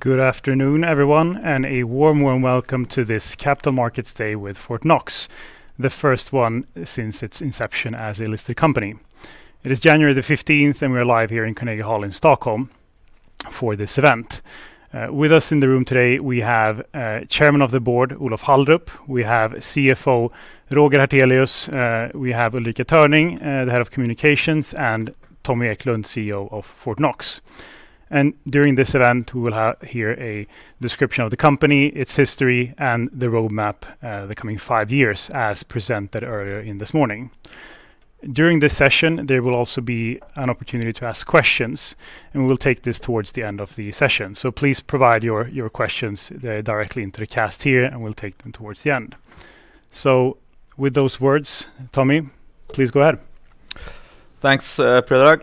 Good afternoon, everyone, and a warm welcome to this Capital Markets Day with Fortnox, the first one since its inception as a listed company. It is January the 15th, and we're live here in Carnegie Hall in Stockholm for this event. W ith us in the room today, we have Chairman of the Board, Olof Hallrup. We have CFO Roger Hartelius. We have Ulrica Törning, the head of communications, and Tommy Eklund, CEO of Fortnox. During this event, we will hear a description of the company, its history, and the roadmap the coming five years as presented earlier this morning. During this session, there will also be an opportunity to ask questions, and we'll take this towards the end of the session. Please provide your questions directly into the cast here, and we'll take them towards the end. With those words, Tommy, please go ahead. Thanks, Predrag.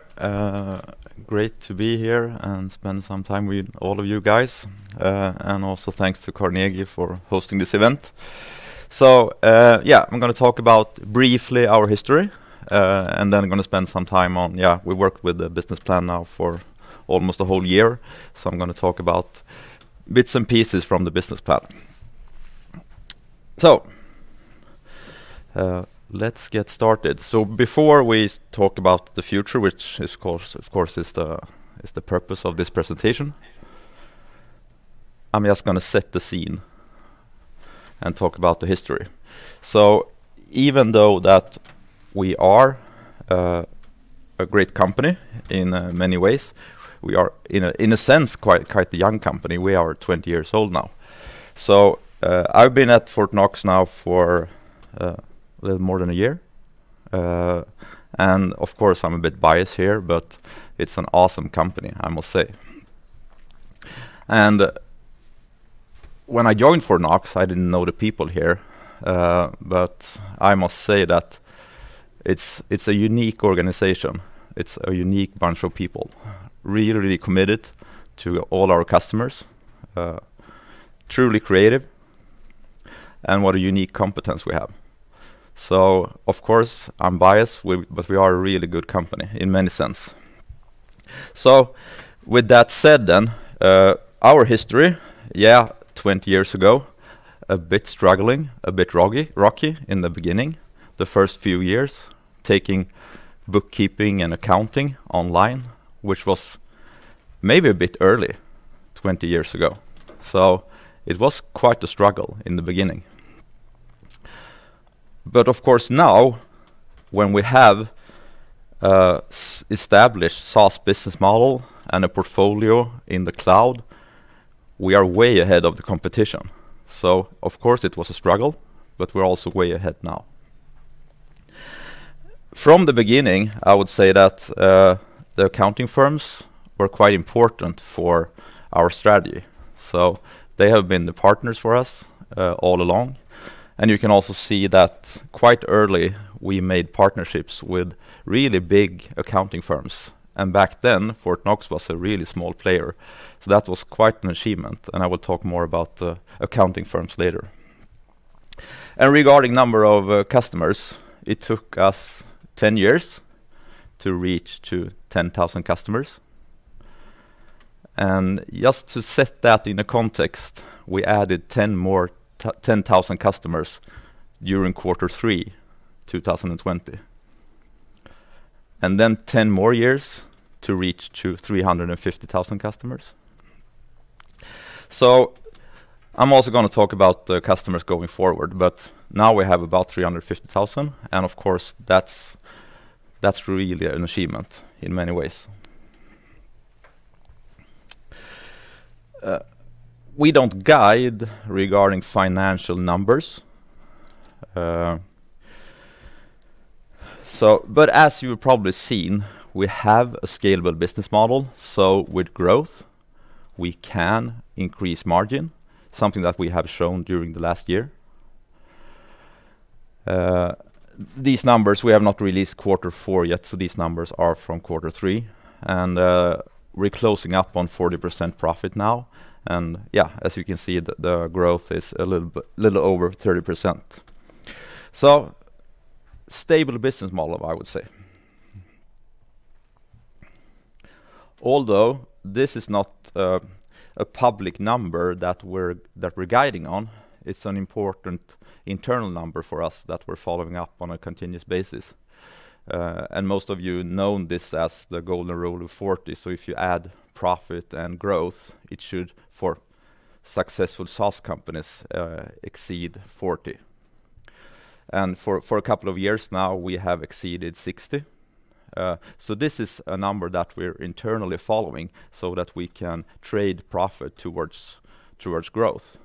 Great to be here and spend some time with all of you guys. Also thanks to Carnegie for hosting this event. I'm going to talk about briefly our history, and then I'm going to spend some time. We worked with the business plan now for almost a whole year, so I'm going to talk about bits and pieces from the business plan. Let's get started. Before we talk about the future, which of course, is the purpose of this presentation, I'm just going to set the scene and talk about the history. Even though that we are a great company in many ways, we are in a sense, quite the young company. We are 20 years old now. I've been at Fortnox now for a little more than a year. Of course, I'm a bit biased here, but it's an awesome company, I must say. When I joined Fortnox, I didn't know the people here. I must say that it's a unique organization. It's a unique bunch of people, really, really committed to all our customers, truly creative, and what a unique competence we have. Of course, I'm biased, but we are a really good company in many sense. With that said then, our history, 20 years ago, a bit struggling, a bit rocky in the beginning, the first few years, taking bookkeeping and accounting online, which was maybe a bit early 20 years ago. It was quite a struggle in the beginning. Of course now when we have established SaaS business model and a portfolio in the cloud, we are way ahead of the competition. Of course, it was a struggle, but we're also way ahead now. From the beginning, I would say that the accounting firms were quite important for our strategy. They have been the partners for us all along. You can also see that quite early we made partnerships with really big accounting firms. Back then, Fortnox was a really small player. That was quite an achievement, and I will talk more about the accounting firms later. Regarding number of customers, it took us 10 years to reach to 10,000 customers. Just to set that in a context, we added 10,000 customers during quarter three 2020. 10 more years to reach to 350,000 customers. I'm also going to talk about the customers going forward, but now we have about 350,000, and of course that's really an achievement in many ways. We don't guide regarding financial numbers. As you've probably seen, we have a scalable business model. With growth, we can increase margin, something that we have shown during the last year. These numbers we have not released quarter four yet, these numbers are from quarter three. We're closing up on 40% profit now. As you can see, the growth is a little over 30%. Stable business model, I would say. Although this is not a public number that we're guiding on, it's an important internal number for us that we're following up on a continuous basis. Most of you known this as the golden Rule of 40. If you add profit and growth, it should for successful SaaS companies, exceed 40%. For a couple of years now, we have exceeded 60%. This is a number that we're internally following so that we can trade profit towards growth.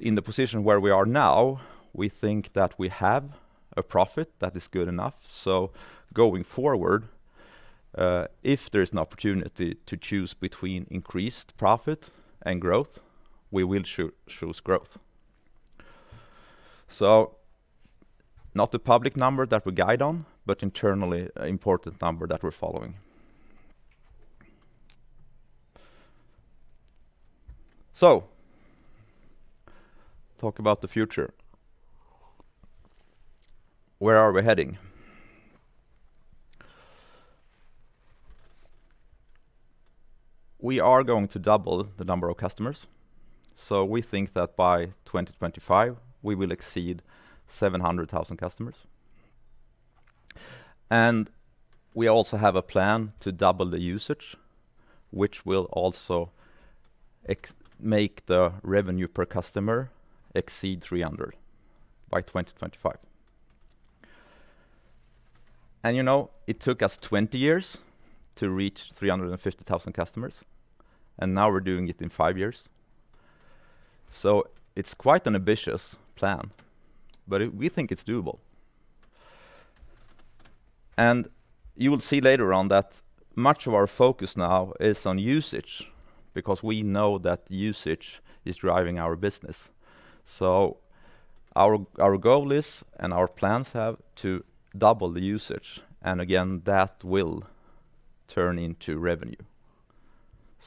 In the position where we are now, we think that we have a profit that is good enough. Going forward, if there's an opportunity to choose between increased profit and growth, we will choose growth. Not the public number that we guide on, but internally important number that we're following. Talk about the future. Where are we heading? We are going to double the number of customers. We think that by 2025, we will exceed 700,000 customers. We also have a plan to double the usage, which will also make the revenue per customer exceed 300 by 2025. It took us 20 years to reach 350,000 customers, and now we're doing it in five years. It's quite an ambitious plan, but we think it's doable. You will see later on that much of our focus now is on usage, because we know that usage is driving our business. Our goal is, and our plans have, to double the usage. Again, that will turn into revenue.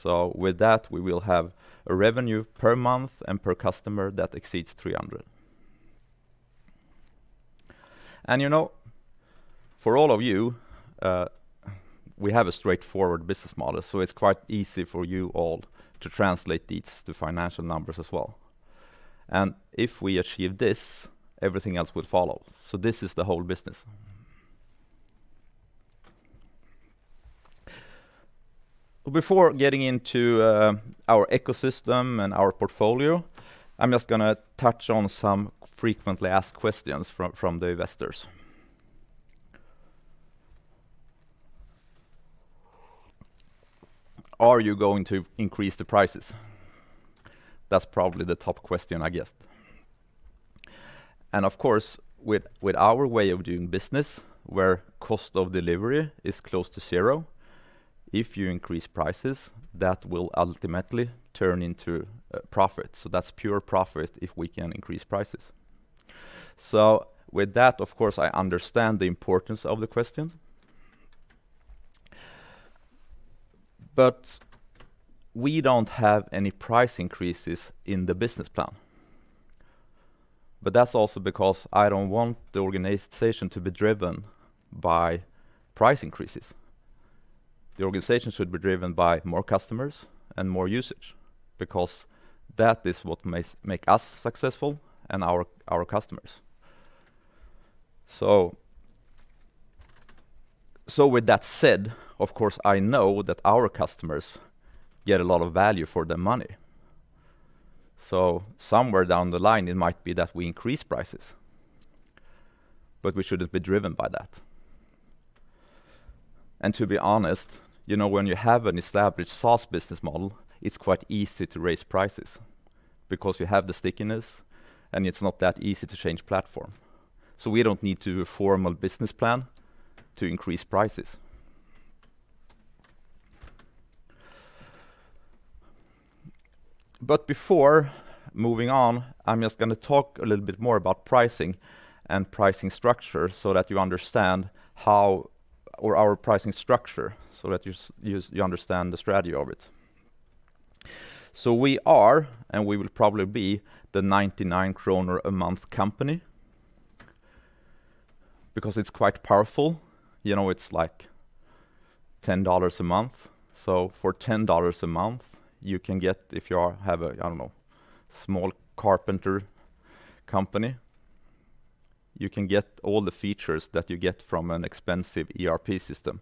With that, we will have a revenue per month and per customer that exceeds 300. For all of you, we have a straightforward business model, so it is quite easy for you all to translate these to financial numbers as well. If we achieve this, everything else will follow. This is the whole business. Before getting into our ecosystem and our portfolio, I'm just going to touch on some frequently asked questions from the investors. Are you going to increase the prices? That's probably the top question, I guess. Of course, with our way of doing business, where cost of delivery is close to zero, if you increase prices, that will ultimately turn into profit. That's pure profit if we can increase prices. With that, of course, I understand the importance of the question, but we don't have any price increases in the business plan. That's also because I don't want the organization to be driven by price increases. The organization should be driven by more customers and more usage, because that is what make us successful and our customers. With that said, of course, I know that our customers get a lot of value for their money. Somewhere down the line, it might be that we increase prices, but we shouldn't be driven by that. To be honest, when you have an established SaaS business model, it's quite easy to raise prices because you have the stickiness and it's not that easy to change platform. We don't need to do a formal business plan to increase prices. Before moving on, I'm just going to talk a little bit more about pricing and pricing structure so that you understand our pricing structure, so that you understand the strategy of it. We are, and we will probably be, the 99 kronor a month company because it's quite powerful. It's like $10 a month. For $10 a month, you can get, if you have a, I don't know, small carpenter company, you can get all the features that you get from an expensive ERP system.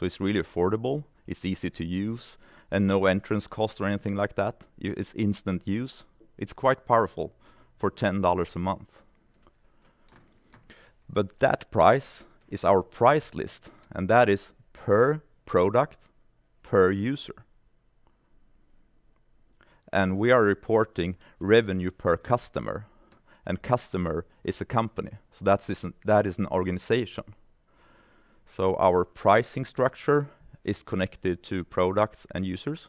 It's really affordable, it's easy to use, and no entrance cost or anything like that. It's instant use. It's quite powerful for $10 a month. That price is our price list, and that is per product, per user. We are reporting revenue per customer, and customer is a company. That is an organization. Our pricing structure is connected to products and users,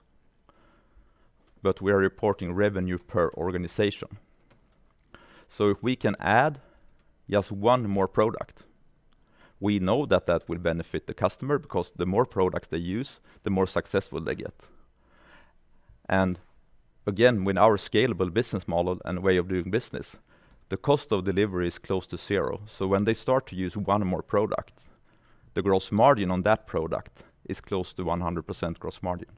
but we are reporting revenue per organization. If we can add just one more product, we know that that will benefit the customer because the more products they use, the more successful they get. Again, with our scalable business model and way of doing business, the cost of delivery is close to zero. When they start to use one more product, the gross margin on that product is close to 100% gross margin.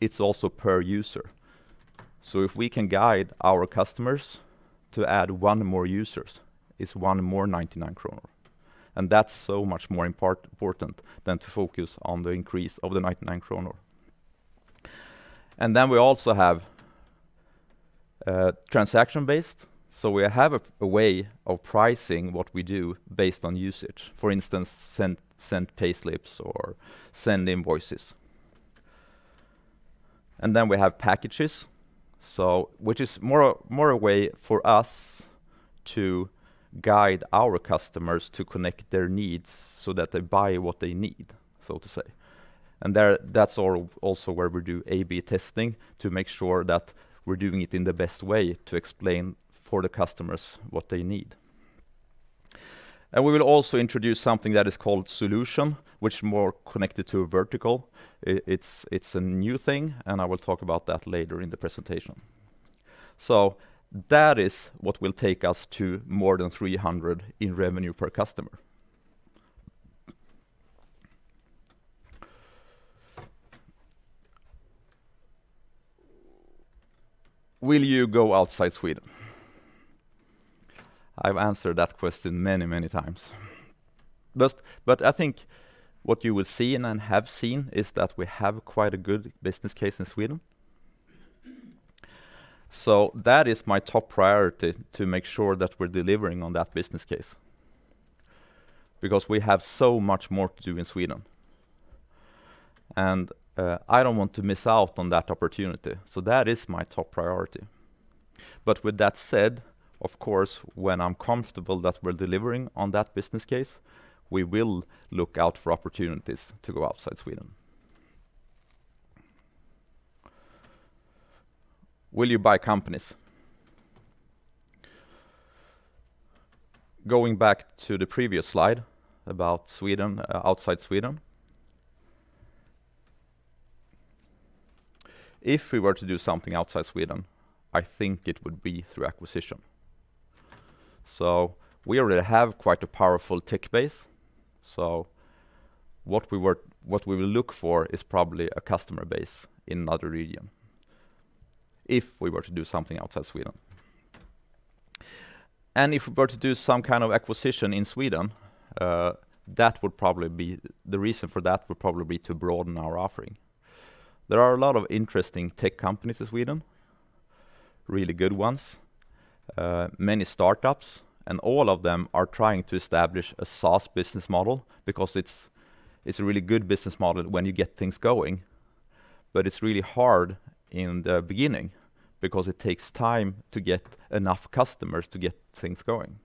It's also per user. If we can guide our customers to add one more users, it's one more 99 kronor. That's so much more important than to focus on the increase of the 99 kronor. Then we also have transaction-based. We have a way of pricing what we do based on usage. For instance, send payslips or send invoices. Then we have packages, which is more a way for us to guide our customers to connect their needs so that they buy what they need, so to say. That's also where we do A/B testing to make sure that we're doing it in the best way to explain for the customers what they need. We will also introduce something that is called solution, which is more connected to a vertical. It's a new thing, and I will talk about that later in the presentation. That is what will take us to more than 300 in revenue per customer. Will you go outside Sweden? I've answered that question many times. I think what you will see and have seen is that we have quite a good business case in Sweden. That is my top priority to make sure that we're delivering on that business case, because we have so much more to do in Sweden. I don't want to miss out on that opportunity, so that is my top priority. With that said, of course, when I'm comfortable that we're delivering on that business case, we will look out for opportunities to go outside Sweden. Will you buy companies? Going back to the previous slide about outside Sweden. If we were to do something outside Sweden, I think it would be through acquisition. We already have quite a powerful tech base. What we will look for is probably a customer base in another region, if we were to do something outside Sweden. If we were to do some kind of acquisition in Sweden, the reason for that would probably be to broaden our offering. There are a lot of interesting tech companies in Sweden, really good ones. Many startups, and all of them are trying to establish a SaaS business model because it's a really good business model when you get things going, but it's really hard in the beginning because it takes time to get enough customers to get things going.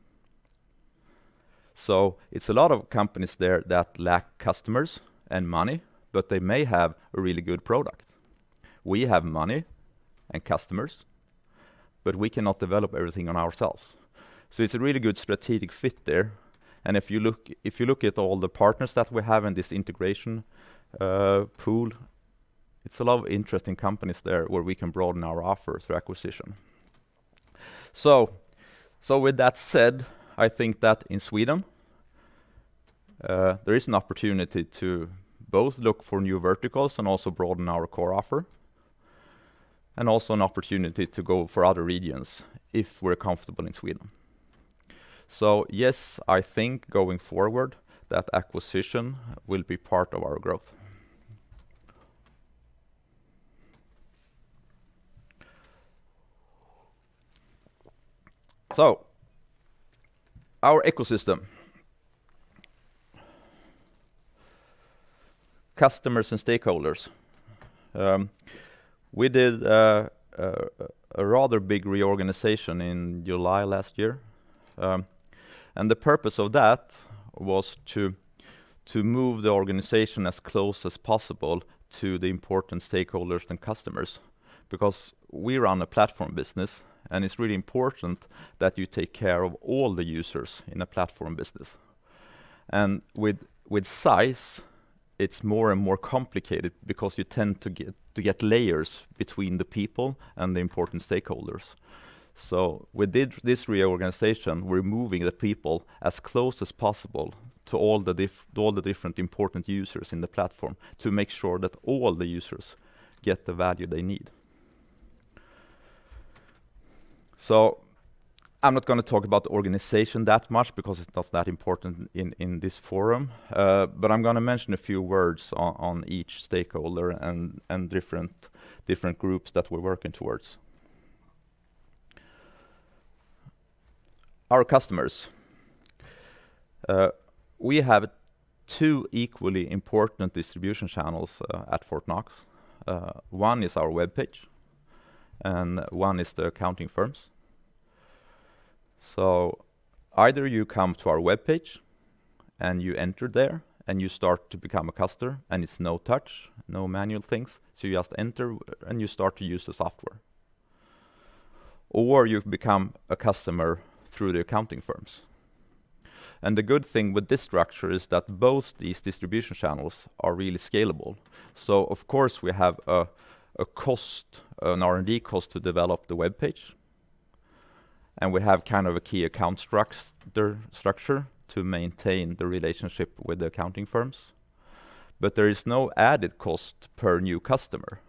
It's a lot of companies there that lack customers and money, but they may have a really good product. We have money and customers, but we cannot develop everything on ourselves. It's a really good strategic fit there. If you look at all the partners that we have in this integration pool, it's a lot of interesting companies there where we can broaden our offer through acquisition. With that said, I think that in Sweden, there is an opportunity to both look for new verticals and also broaden our core offer, and also an opportunity to go for other regions if we're comfortable in Sweden. Yes, I think going forward that acquisition will be part of our growth. Our ecosystem. Customers and stakeholders. We did a rather big reorganization in July last year, and the purpose of that was to move the organization as close as possible to the important stakeholders and customers because we run a platform business and it's really important that you take care of all the users in a platform business. With size, it's more and more complicated because you tend to get layers between the people and the important stakeholders. With this reorganization, we're moving the people as close as possible to all the different important users in the platform to make sure that all the users get the value they need. I'm not going to talk about the organization that much because it's not that important in this forum. I'm going to mention a few words on each stakeholder and different groups that we're working towards. Our customers. We have two equally important distribution channels at Fortnox. One is our webpage, and one is the accounting firms. Either you come to our webpage and you enter there and you start to become a customer and it's no touch, no manual things, so you just enter and you start to use the software. You become a customer through the accounting firms. The good thing with this structure is that both these distribution channels are really scalable. Of course, we have an R&D cost to develop the webpage, and we have a key account structure to maintain the relationship with the accounting firms. There is no added cost per new customer.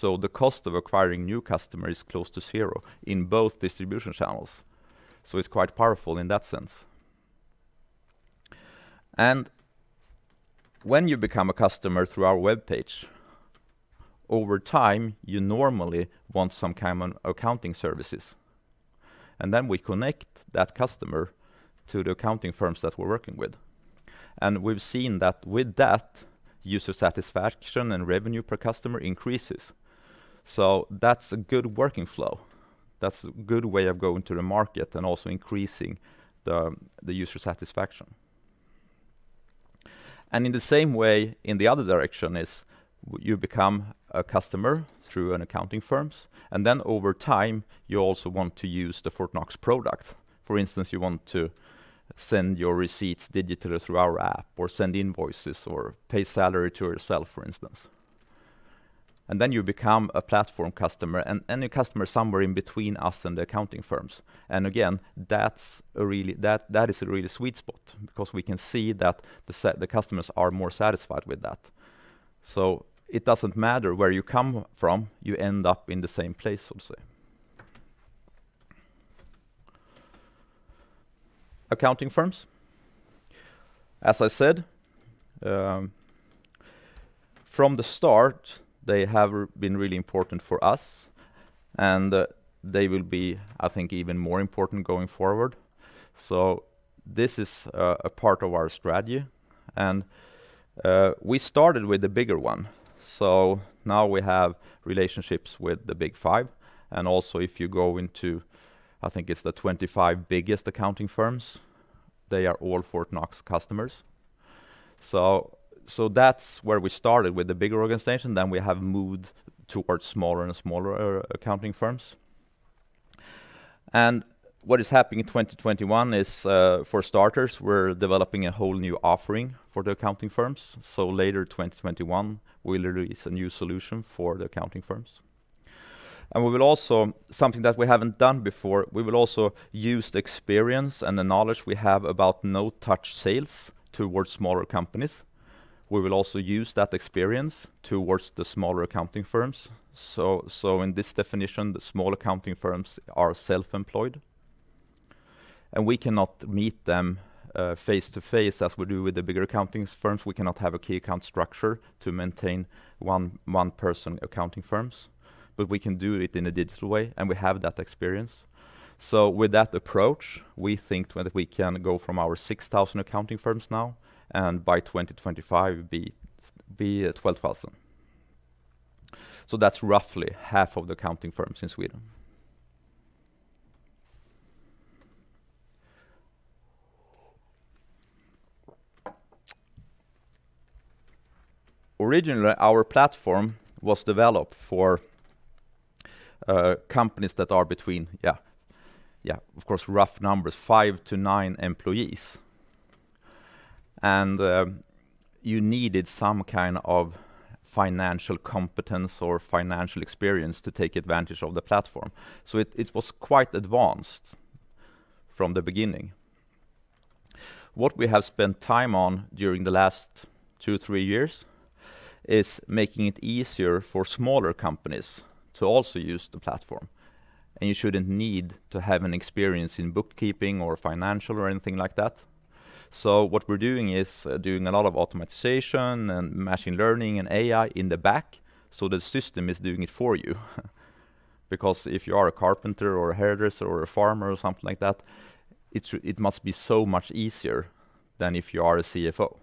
The cost of acquiring new customer is close to zero in both distribution channels. It's quite powerful in that sense. When you become a customer through our webpage, over time, you normally want some kind of accounting services. We connect that customer to the accounting firms that we're working with. We've seen that with that, user satisfaction and revenue per customer increases. That's a good working flow. That's a good way of going to the market and also increasing the user satisfaction. In the same way in the other direction is you become a customer through an accounting firms, and then over time you also want to use the Fortnox products. For instance, you want to send your receipts digitally through our app, or send invoices, or pay salary to yourself, for instance. Then you become a platform customer and a customer somewhere in between us and the accounting firms. Again, that is a really sweet spot because we can see that the customers are more satisfied with that. It doesn't matter where you come from, you end up in the same place, I would say. Accounting firms, as I said, from the start, they have been really important for us. They will be, I think, even more important going forward. This is a part of our strategy. We started with the bigger one. Now we have relationships with the big five and also if you go into, I think it's the 25 biggest accounting firms, they are all Fortnox customers. That's where we started with the bigger organization, then we have moved towards smaller and smaller accounting firms. What is happening in 2021 is, for starters, we're developing a whole new offering for the accounting firms. Later 2021, we'll release a new solution for the accounting firms. Something that we haven't done before, we will also use the experience and the knowledge we have about no-touch sales towards smaller companies. We will also use that experience towards the smaller accounting firms. In this definition, the small accounting firms are self-employed and we cannot meet them face-to-face as we do with the bigger accounting firms. We cannot have a key account structure to maintain one person accounting firms, but we can do it in a digital way, and we have that experience. With that approach, we think that we can go from our 6,000 accounting firms now and by 2025 be at 12,000. That's roughly half of the accounting firms in Sweden. Originally, our platform was developed for companies that are between, of course, rough numbers, five to nine employees. You needed some kind of financial competence or financial experience to take advantage of the platform. It was quite advanced from the beginning. What we have spent time on during the last two, three years is making it easier for smaller companies to also use the platform. You shouldn't need to have an experience in bookkeeping or financial or anything like that. What we're doing is doing a lot of automatization and machine learning and AI in the back, so the system is doing it for you. If you are a carpenter or a hairdresser or a farmer or something like that, it must be so much easier than if you are a CFO.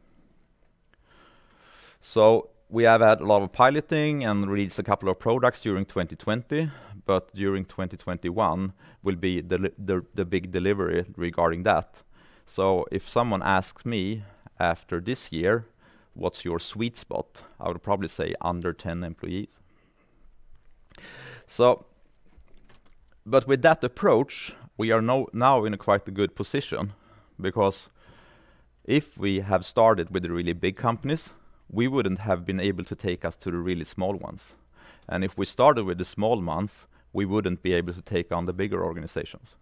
We have had a lot of piloting and released a couple of products during 2020, but during 2021 will be the big delivery regarding that. If someone asks me after this year, "What's your sweet spot?" I would probably say under 10 employees. With that approach, we are now in a quite a good position because if we have started with the really big companies, we wouldn't have been able to take us to the really small ones. If we started with the small ones, we wouldn't be able to take on the bigger organizations.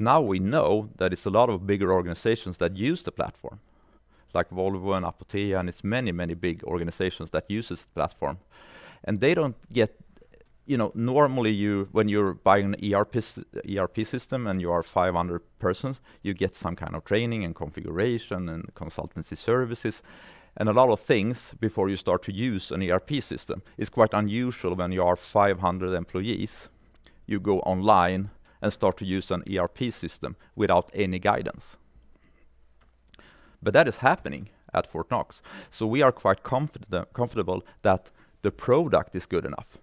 Now we know that it's a lot of bigger organizations that use the platform like Volvo and Apotea, and it's many, many big organizations that uses the platform. Normally, when you're buying an ERP system and you are 500 persons, you get some kind of training and configuration and consultancy services and a lot of things before you start to use an ERP system. It's quite unusual when you are 500 employees, you go online and start to use an ERP system without any guidance. That is happening at Fortnox. We are quite comfortable that the product is good enough.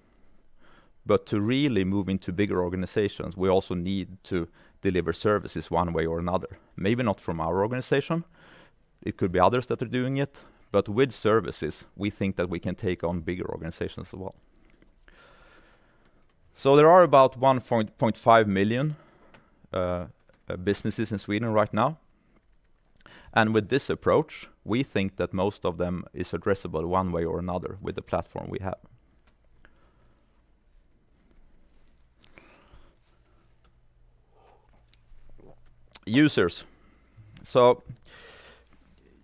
To really move into bigger organizations, we also need to deliver services one way or another. Maybe not from our organization, it could be others that are doing it, but with services, we think that we can take on bigger organizations as well. There are about 1.5 million businesses in Sweden right now, and with this approach, we think that most of them is addressable one way or another with the platform we have. Users.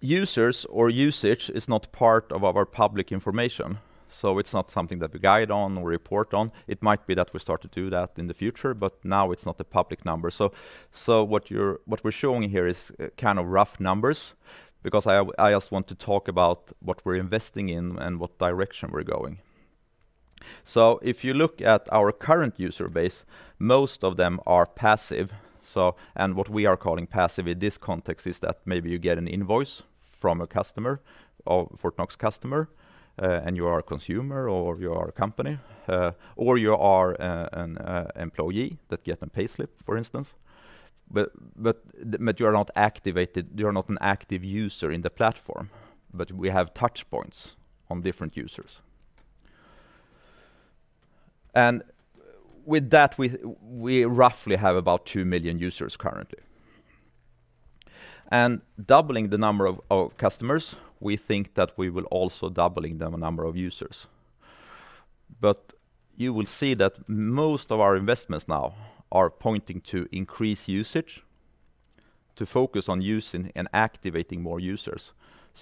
Users or usage is not part of our public information, so it's not something that we guide on or report on. It might be that we start to do that in the future, but now it's not a public number. What we're showing here is rough numbers because I just want to talk about what we're investing in and what direction we're going. If you look at our current user base, most of them are passive. What we are calling passive in this context is that maybe you get an invoice from a customer or Fortnox customer, and you are a consumer or you are a company, or you are an employee that get a payslip, for instance. You're not activated, you're not an active user in the platform. We have touch points on different users. With that, we roughly have about 2 million users currently. Doubling the number of our customers, we think that we will also doubling the number of users. You will see that most of our investments now are pointing to increased usage, to focus on using and activating more users.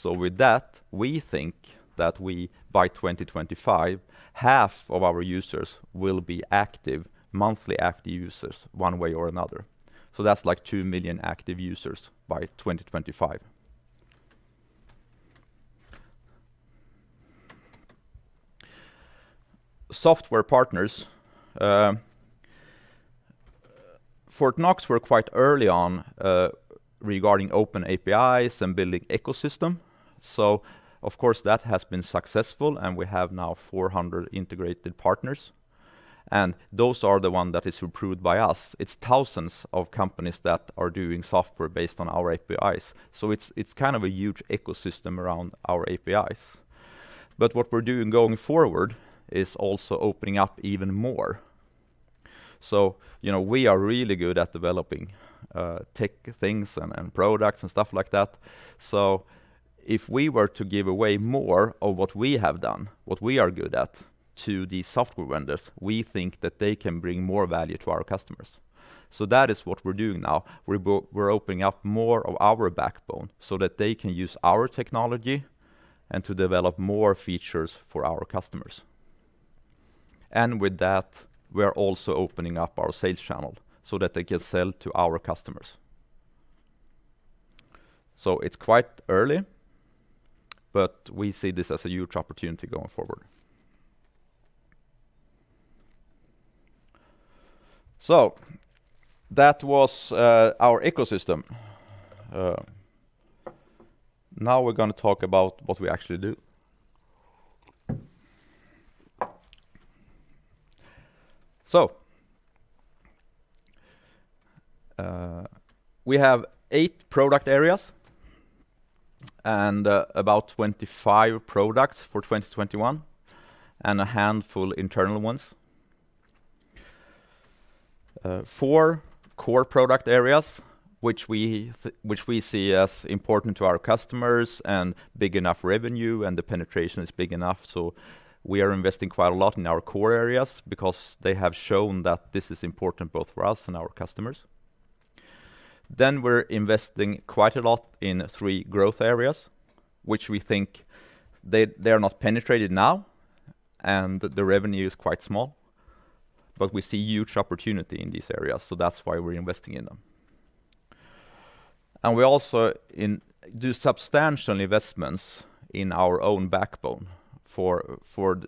With that, we think that we, by 2025, half of our users will be monthly active users one way or another. That's 2 million active users by 2025. Software partners. Fortnox were quite early on regarding open APIs and building ecosystem. Of course, that has been successful, and we have now 400 integrated partners, and those are the one that is approved by us. It's thousands of companies that are doing software based on our APIs. It's kind of a huge ecosystem around our APIs. What we're doing going forward is also opening up even more. We are really good at developing tech things and products and stuff like that. If we were to give away more of what we have done, what we are good at to these software vendors, we think that they can bring more value to our customers. That is what we're doing now. We're opening up more of our backbone so that they can use our technology and to develop more features for our customers. With that, we are also opening up our sales channel so that they can sell to our customers. It's quite early, but we see this as a huge opportunity going forward. That was our ecosystem. Now we're going to talk about what we actually do. We have eight product areas and about 25 products for 2021 and a handful internal ones. Four core product areas which we see as important to our customers and big enough revenue, and the penetration is big enough. We are investing quite a lot in our core areas because they have shown that this is important both for us and our customers. We're investing quite a lot in three growth areas, which we think they're not penetrated now, and the revenue is quite small, but we see huge opportunity in these areas, that's why we're investing in them. We also do substantial investments in our own backbone for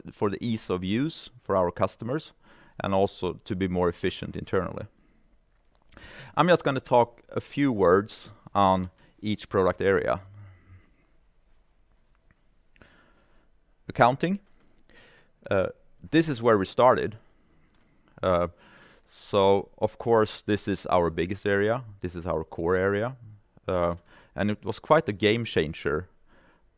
the ease of use for our customers and also to be more efficient internally. I'm just going to talk a few words on each product area. Accounting. This is where we started. Of course, this is our biggest area. This is our core area. It was quite a game-changer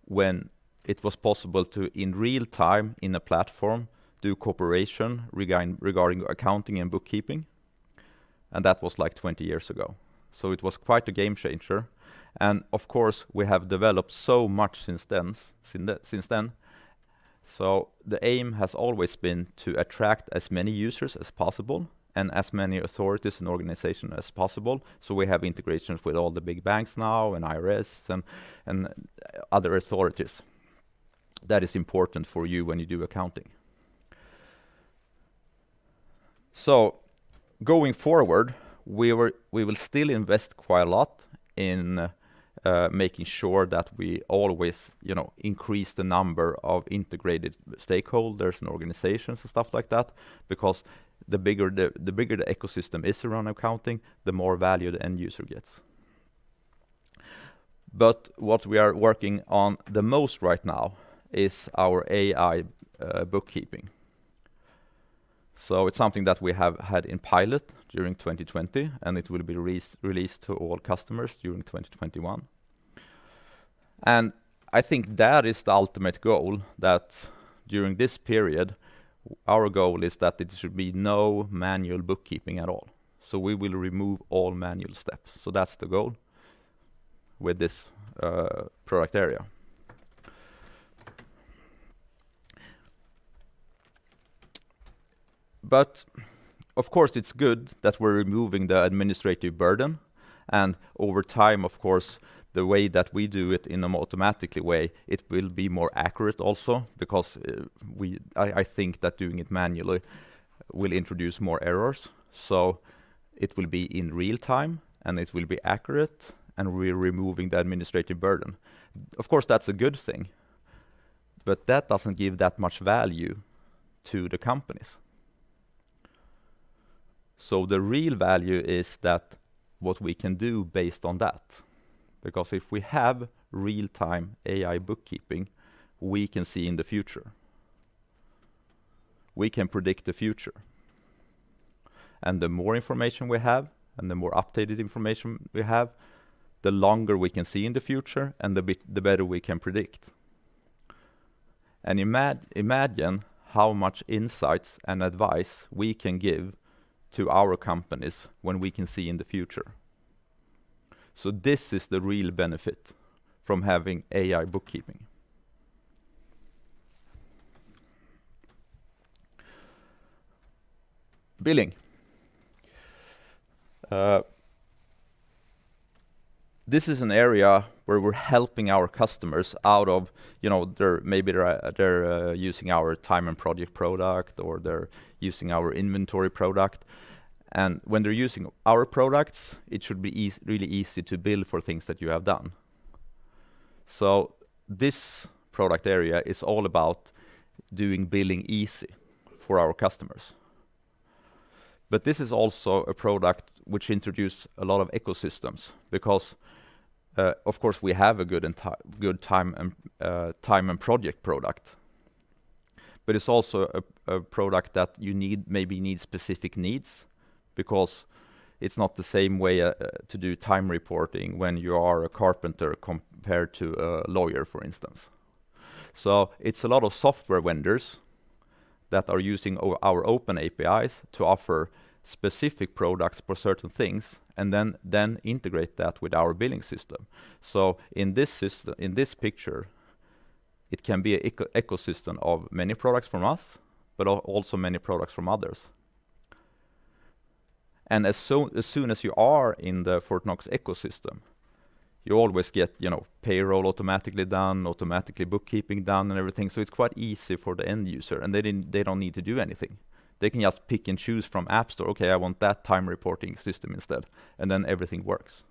when it was possible to, in real-time in a platform, do cooperation regarding accounting and bookkeeping, and that was 20 years ago. It was quite a game-changer. Of course, we have developed so much since then. The aim has always been to attract as many users as possible and as many authorities and organization as possible. We have integrations with all the big banks now and IRS and other authorities. That is important for you when you do accounting. Going forward, we will still invest quite a lot in making sure that we always increase the number of integrated stakeholders and organizations and stuff like that because the bigger the ecosystem is around accounting, the more value the end user gets. What we are working on the most right now is our AI bookkeeping. It's something that we have had in pilot during 2020, and it will be released to all customers during 2021. I think that is the ultimate goal, that during this period, our goal is that it should be no manual bookkeeping at all. We will remove all manual steps. That's the goal with this product area. Of course, it's good that we're removing the administrative burden, and over time, of course, the way that we do it in an automatic way, it will be more accurate also because I think that doing it manually will introduce more errors. It will be in real-time, and it will be accurate, and we're removing the administrative burden. Of course, that's a good thing, but that doesn't give that much value to the companies. The real value is that what we can do based on that. Because if we have real-time AI bookkeeping, we can see in the future. We can predict the future. The more information we have and the more updated information we have, the longer we can see in the future and the better we can predict. Imagine how much insights and advice we can give to our companies when we can see in the future. This is the real benefit from having AI bookkeeping. Billing. This is an area where we're helping our customers. Maybe they're using our time and project product, or they're using our inventory product. When they're using our products, it should be really easy to bill for things that you have done. This product area is all about doing billing easy for our customers. This is also a product which introduce a lot of ecosystems because, of course, we have a good time and project product. It's also a product that you maybe need specific needs because it's not the same way to do time reporting when you are a carpenter compared to a lawyer, for instance. It's a lot of software vendors that are using our open APIs to offer specific products for certain things and then integrate that with our billing system. In this picture, it can be an ecosystem of many products from us, but also many products from others. As soon as you are in the Fortnox ecosystem, you always get payroll automatically done, automatically bookkeeping done and everything. It's quite easy for the end user, and they don't need to do anything. They can just pick and choose from App Store, "Okay, I want that time reporting system instead," and then everything works.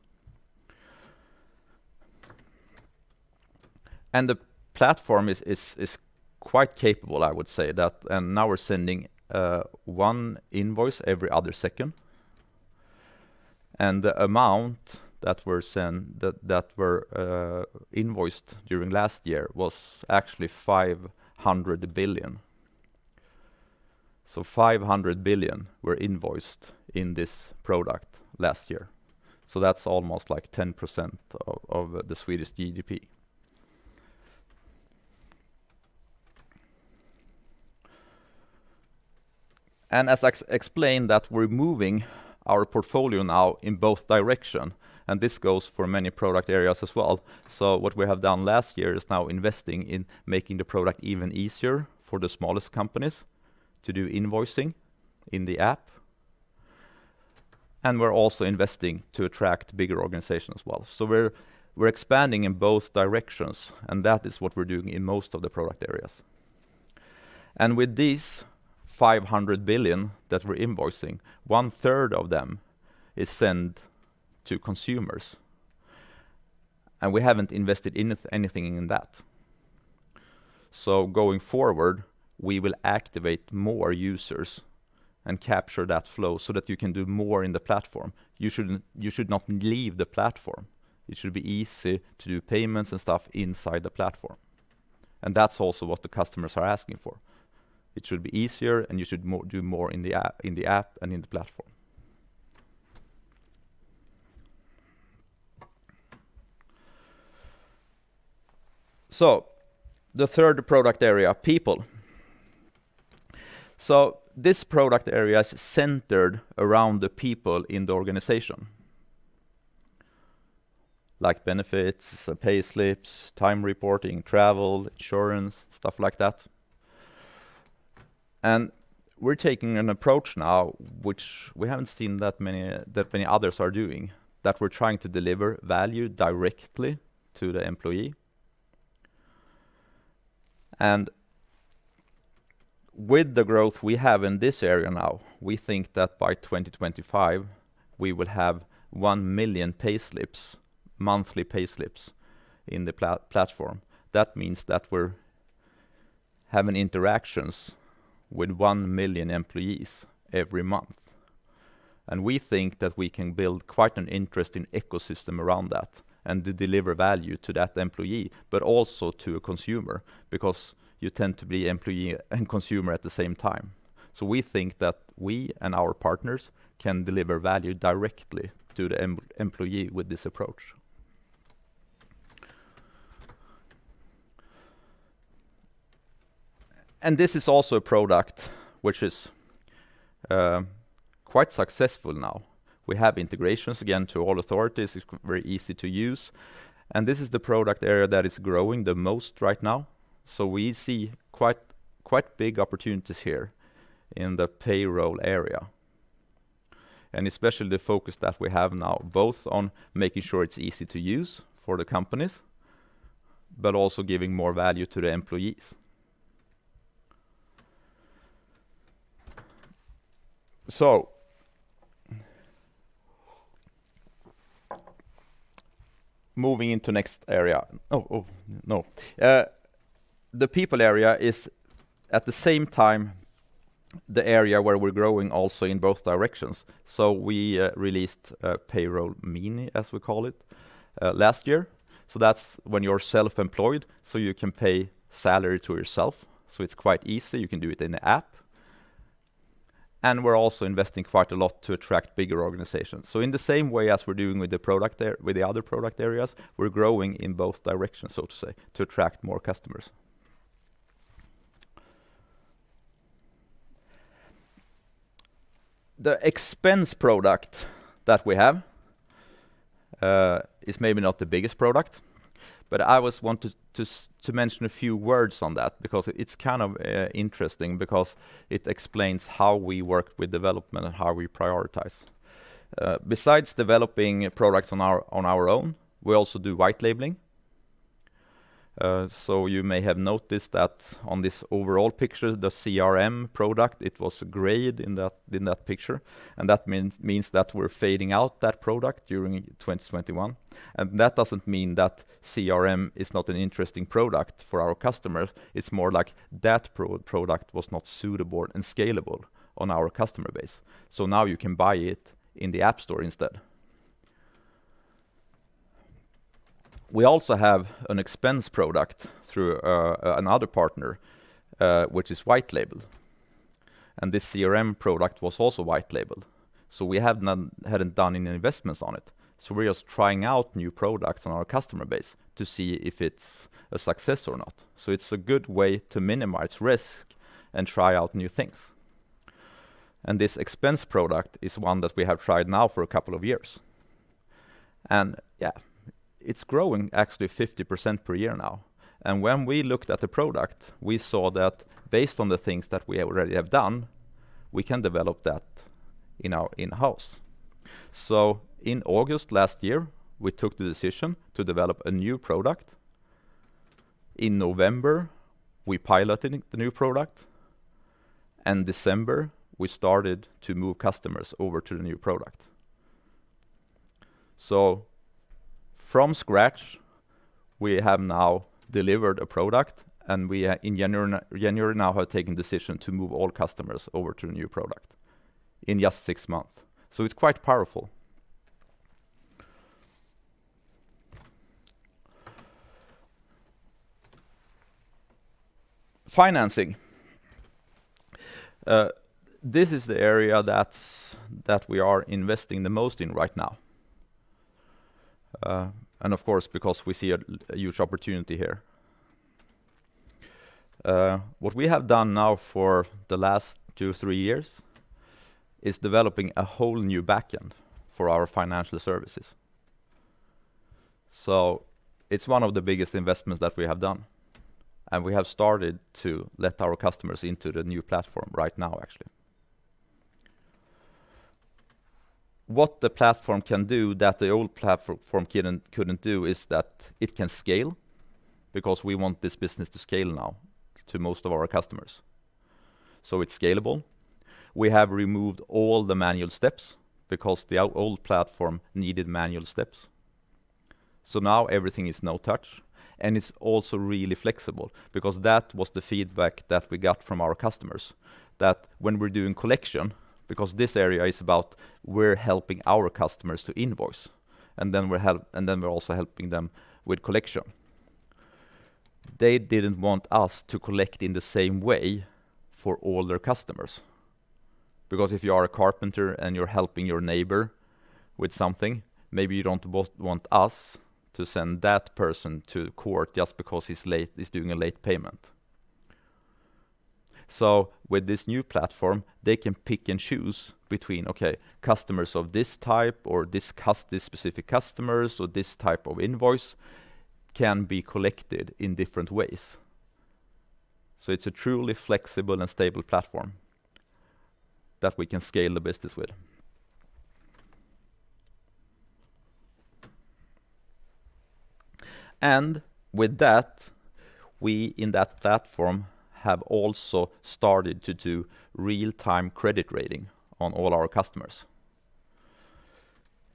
The platform is quite capable, I would say. Now we're sending one invoice every other second. The amount that were invoiced during last year was actually 500 billion. 500 billion were invoiced in this product last year. That's almost 10% of the Swedish GDP. As I explained that we're moving our portfolio now in both direction, and this goes for many product areas as well. What we have done last year is now investing in making the product even easier for the smallest companies to do invoicing in the app. We're also investing to attract bigger organizations as well. We're expanding in both directions, and that is what we're doing in most of the product areas. With these 500 billion that we're invoicing, one third of them is sent to consumers, and we haven't invested anything in that. Going forward, we will activate more users and capture that flow so that you can do more in the platform. You should not leave the platform. It should be easy to do payments and stuff inside the platform. That's also what the customers are asking for. It should be easier, and you should do more in the app and in the platform. The third product area, people. This product area is centered around the people in the organization. Like benefits, payslips, time reporting, travel, insurance, stuff like that. We're taking an approach now, which we haven't seen that many others are doing, that we're trying to deliver value directly to the employee. With the growth we have in this area now, we think that by 2025, we will have 1 million monthly payslips in the platform. That means that we're having interactions with 1 million employees every month. We think that we can build quite an interesting ecosystem around that and to deliver value to that employee, but also to a consumer, because you tend to be employee and consumer at the same time. We think that we and our partners can deliver value directly to the employee with this approach. This is also a product which is quite successful now. We have integrations, again, to all authorities. It's very easy to use. This is the product area that is growing the most right now. We see quite big opportunities here in the payroll area, and especially the focus that we have now, both on making sure it's easy to use for the companies, but also giving more value to the employees. Moving into next area. Oh, no. The people area is at the same time the area where we're growing also in both directions. We released Payroll Mini, as we call it, last year. That's when you're self-employed, so you can pay salary to yourself. It's quite easy. You can do it in the app. We're also investing quite a lot to attract bigger organizations. In the same way as we're doing with the other product areas, we're growing in both directions, so to say, to attract more customers. The expense product that we have, is maybe not the biggest product, but I always wanted to mention a few words on that because it's kind of interesting because it explains how we work with development and how we prioritize. Besides developing products on our own, we also do white labeling. You may have noticed that on this overall picture, the CRM product, it was grayed in that picture, and that means that we're fading out that product during 2021. That doesn't mean that CRM is not an interesting product for our customers. It's more like that product was not suitable and scalable on our customer base. Now you can buy it in the App Store instead. We also have an expense product through another partner, which is white labeled, and this CRM product was also white labeled, we hadn't done any investments on it. We're just trying out new products on our customer base to see if it's a success or not. It's a good way to minimize risk and try out new things. This expense product is one that we have tried now for a couple of years. Yeah, it's growing actually 50% per year now. When we looked at the product, we saw that based on the things that we already have done, we can develop that in-house. In August last year, we took the decision to develop a new product. In November, we piloted the new product, and December, we started to move customers over to the new product. From scratch, we have now delivered a product, and we in January now have taken decision to move all customers over to a new product in just six months. It's quite powerful. Financing. This is the area that we are investing the most in right now. Of course, because we see a huge opportunity here. What we have done now for the last two, three years is developing a whole new backend for our financial services. It's one of the biggest investments that we have done, and we have started to let our customers into the new platform right now, actually. What the platform can do that the old platform couldn't do is that it can scale because we want this business to scale now to most of our customers. It's scalable. We have removed all the manual steps because the old platform needed manual steps. Now everything is no touch, and it's also really flexible because that was the feedback that we got from our customers that when we're doing collection, because this area is about we're helping our customers to invoice, and then we're also helping them with collection. They didn't want us to collect in the same way for all their customers. If you are a carpenter and you're helping your neighbor with something, maybe you don't want us to send that person to court just because he's doing a late payment. With this new platform, they can pick and choose between, okay, customers of this type or this specific customer, so this type of invoice can be collected in different ways. It's a truly flexible and stable platform that we can scale the business with. With that, we in that platform have also started to do real-time credit rating on all our customers.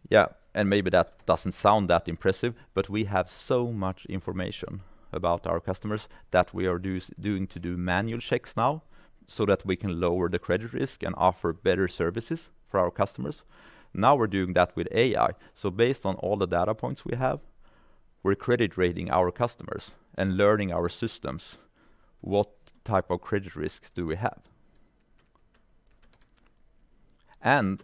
Yeah, maybe that doesn't sound that impressive, we have so much information about our customers that we are doing to do manual checks now so that we can lower the credit risk and offer better services for our customers. Now we're doing that with AI. Based on all the data points we have, we're credit rating our customers and learning our systems what type of credit risks do we have.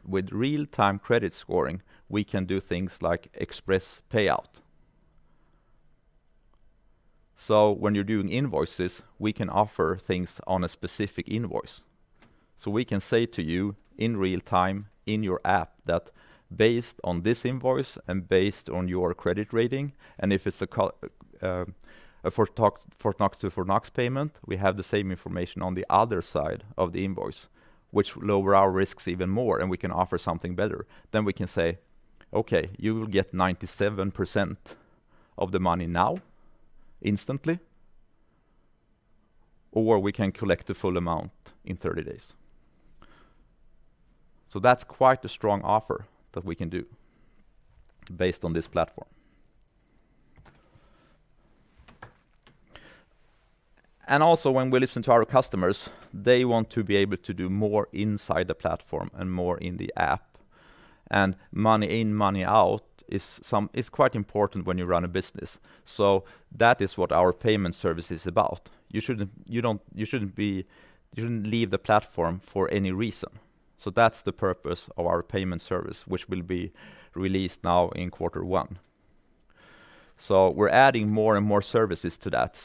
With real-time credit scoring, we can do things like express payout. When you're doing invoices, we can offer things on a specific invoice. We can say to you in real time in your app that based on this invoice and based on your credit rating, and if it's a Fortnox payment, we have the same information on the other side of the invoice, which lower our risks even more, and we can offer something better. We can say, "Okay, you will get 97% of the money now instantly, or we can collect the full amount in 30 days." That's quite a strong offer that we can do based on this platform. When we listen to our customers, they want to be able to do more inside the platform and more in the app. Money in, money out is quite important when you run a business. That is what our payment service is about. You shouldn't leave the platform for any reason. That's the purpose of our payment service, which will be released now in quarter one. We're adding more and more services to that.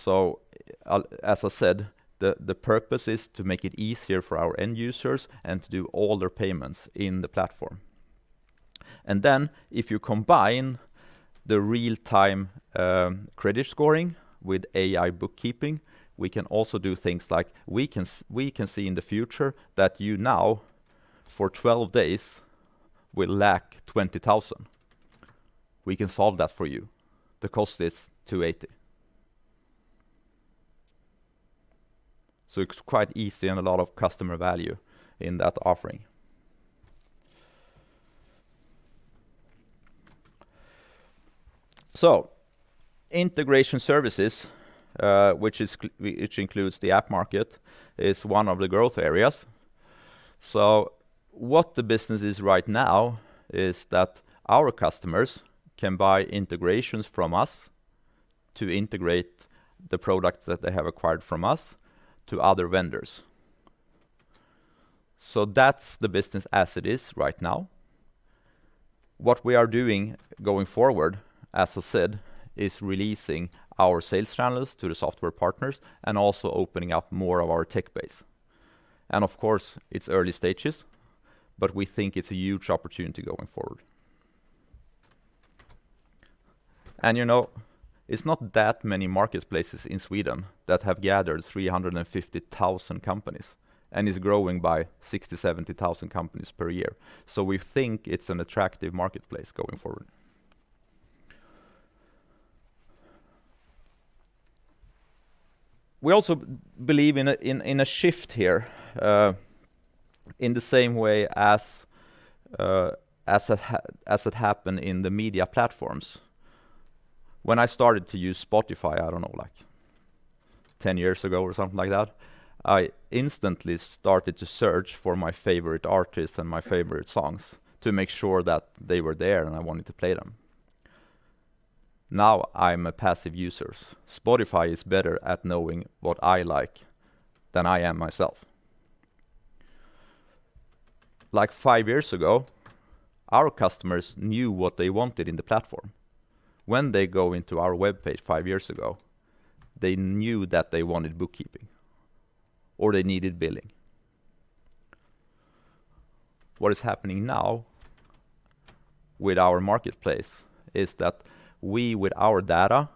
As I said, the purpose is to make it easier for our end users and to do all their payments in the platform. Then if you combine the real-time credit scoring with AI bookkeeping, we can also do things like we can see in the future that you now for 12 days will lack 20,000. We can solve that for you. The cost is 280. It's quite easy and a lot of customer value in that offering. Integration services, which includes the app market, is one of the growth areas. What the business is right now is that our customers can buy integrations from us to integrate the product that they have acquired from us to other vendors. That's the business as it is right now. What we are doing going forward, as I said, is releasing our sales channels to the software partners and also opening up more of our tech base. Of course, it's early stages, but we think it's a huge opportunity going forward. It's not that many marketplaces in Sweden that have gathered 350,000 companies and is growing by 60,000, 70,000 companies per year. We think it's an attractive marketplace going forward. We also believe in a shift here, in the same way as it happened in the media platforms. When I started to use Spotify, I don't know, 10 years ago or something like that, I instantly started to search for my favorite artist and my favorite songs to make sure that they were there, and I wanted to play them. Now I'm a passive user. Spotify is better at knowing what I like than I am myself. Like five years ago, our customers knew what they wanted in the platform. When they go into our webpage five years ago, they knew that they wanted bookkeeping or they needed billing. What is happening now with our marketplace is that we, with our data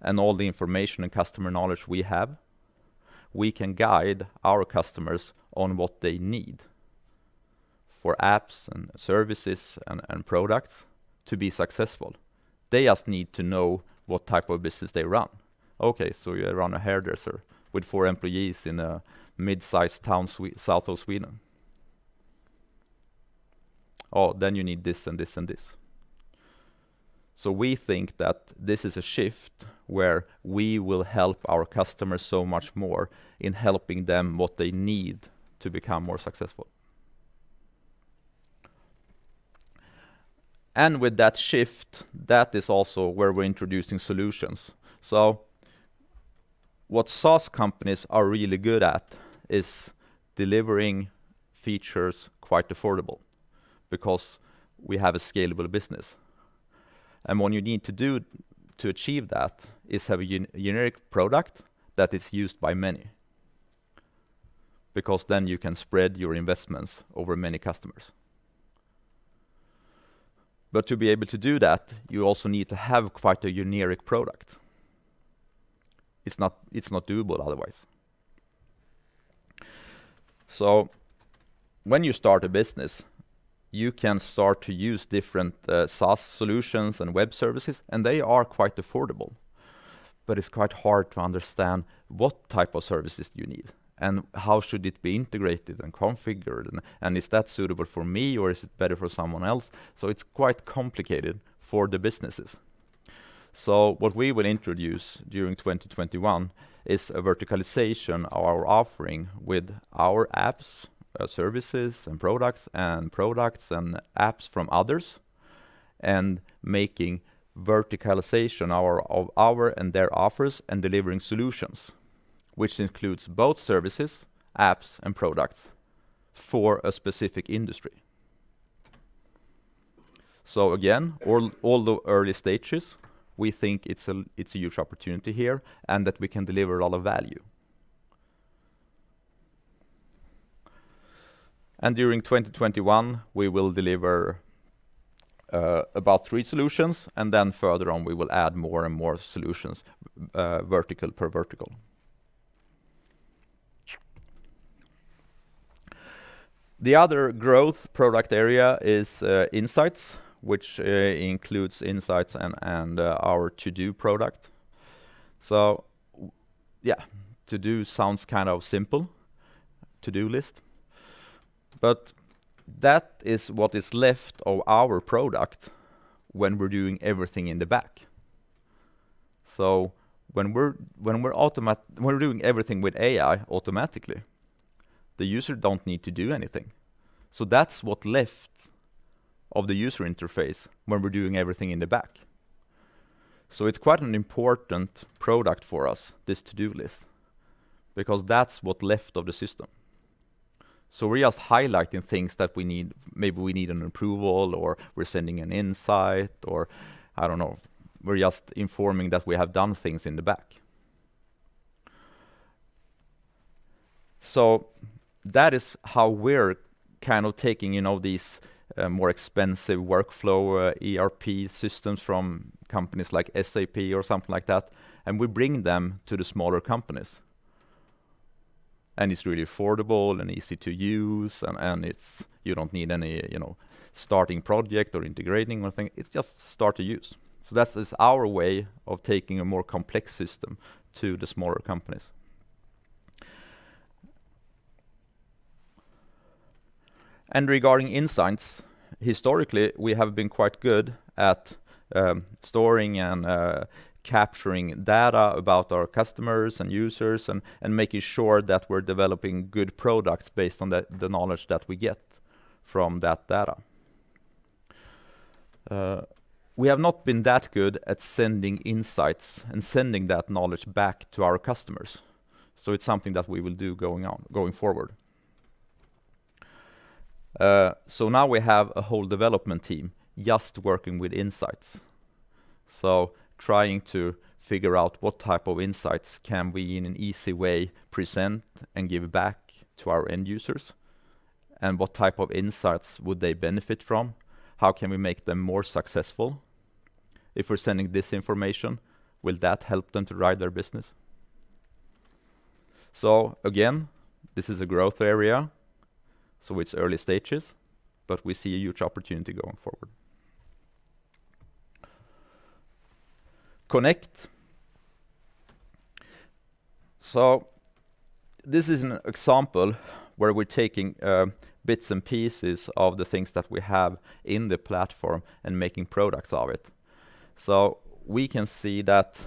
and all the information and customer knowledge we have, we can guide our customers on what they need for apps and services and products to be successful. They just need to know what type of business they run. Okay, you run a hairdresser with four employees in a mid-sized town south of Sweden. Oh, you need this and this and this. We think that this is a shift where we will help our customers so much more in helping them what they need to become more successful. With that shift, that is also where we're introducing solutions. What SaaS companies are really good at is delivering features quite affordable because we have a scalable business. What you need to do to achieve that is have a generic product that is used by many, because then you can spread your investments over many customers. To be able to do that, you also need to have quite a generic product. It's not doable otherwise. When you start a business, you can start to use different SaaS solutions and web services, and they are quite affordable, but it's quite hard to understand what type of services do you need, and how should it be integrated and configured, and is that suitable for me, or is it better for someone else? It's quite complicated for the businesses. What we will introduce during 2021 is a verticalization of our offering with our apps, services, and products, and products and apps from others, and making verticalization of our and their offers and delivering solutions, which includes both services, apps, and products for a specific industry. Again, all the early stages, we think it's a huge opportunity here and that we can deliver a lot of value. During 2021, we will deliver about three solutions, and then further on, we will add more and more solutions, vertical per vertical. The other growth product area is Insights, which includes Insights and our To-do product. To-do sounds kind of simple. To-do list. That is what is left of our product when we're doing everything in the back. When we're doing everything with AI automatically, the user don't need to do anything. That's what left of the user interface when we're doing everything in the back. It's quite an important product for us, this To-do list, because that's what left of the system. We're just highlighting things that maybe we need an approval or we're sending an insight or, I don't know, we're just informing that we have done things in the back. That is how we're kind of taking these more expensive workflow ERP systems from companies like SAP or something like that, and we bring them to the smaller companies. It's really affordable and easy to use, and you don't need any starting project or integrating or anything. It's just start to use. That is our way of taking a more complex system to the smaller companies. Regarding Insights, historically, we have been quite good at storing and capturing data about our customers and users and making sure that we're developing good products based on the knowledge that we get from that data. We have not been that good at sending Insights and sending that knowledge back to our customers. It's something that we will do going forward. Now we have a whole development team just working with Insights. Trying to figure out what type of Insights can we, in an easy way, present and give back to our end users, and what type of Insights would they benefit from? How can we make them more successful? If we're sending this information, will that help them to run their business? Again, this is a growth area, so it's early stages, but we see a huge opportunity going forward. Connect. This is an example where we're taking bits and pieces of the things that we have in the platform and making products of it. We can see that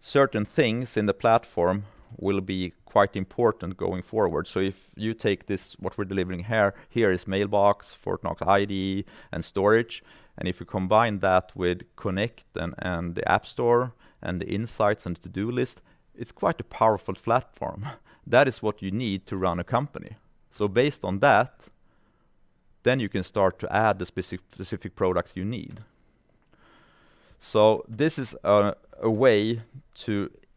certain things in the platform will be quite important going forward. If you take this, what we're delivering here is Mailbox, Fortnox ID, and Storage. If you combine that with Connect and the App Store and the Insights and To-do list, it's quite a powerful platform. That is what you need to run a company. Based on that, then you can start to add the specific products you need. This is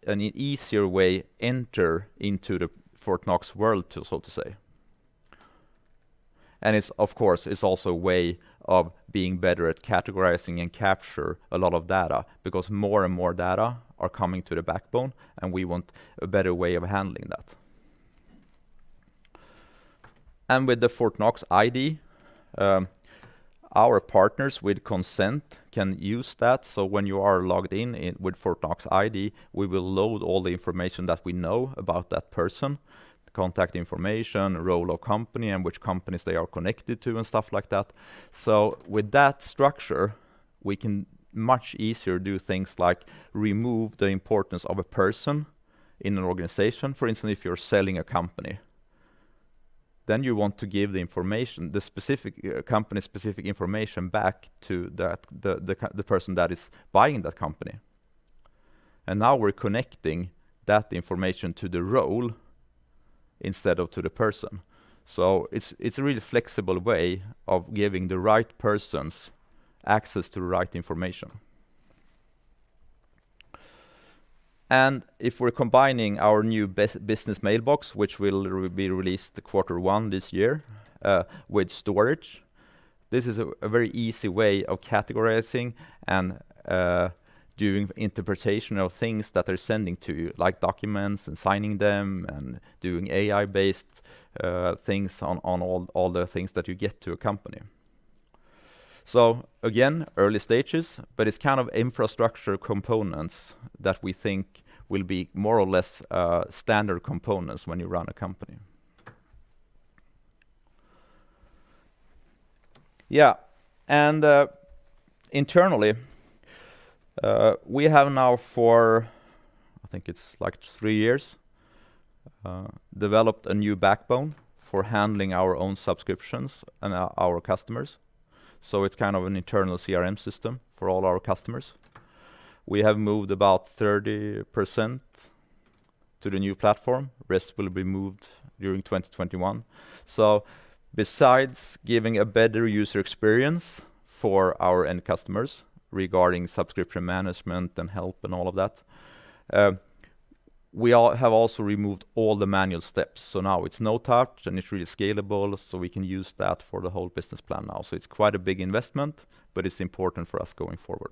an easier way enter into the Fortnox world, so to say. Of course, it's also a way of being better at categorizing and capture a lot of data because more and more data are coming to the backbone, and we want a better way of handling that. With the Fortnox ID, our partners with consent can use that. When you are logged in with Fortnox ID, we will load all the information that we know about that person, contact information, role or company, and which companies they are connected to and stuff like that. With that structure, we can much easier do things like remove the importance of a person in an organization. For instance, if you're selling a company, then you want to give the company's specific information back to the person that is buying that company. Now we're connecting that information to the role instead of to the person. It's a really flexible way of giving the right persons access to the right information. If we're combining our new Mailbox, which will be released quarter one this year, with Storage, this is a very easy way of categorizing and doing interpretation of things that they're sending to you, like documents and signing them and doing AI-based things on all the things that you get to a company. Again, early stages, but it's kind of infrastructure components that we think will be more or less standard components when you run a company. Yeah. Internally, we have now for, I think it's three years, developed a new backbone for handling our own subscriptions and our customers. It's kind of an internal CRM system for all our customers. We have moved about 30% to the new platform. Rest will be moved during 2021. Besides giving a better user experience for our end customers regarding subscription management and help and all of that, we have also removed all the manual steps. Now it's no touch, and it's really scalable, so we can use that for the whole business plan now. It's quite a big investment, but it's important for us going forward.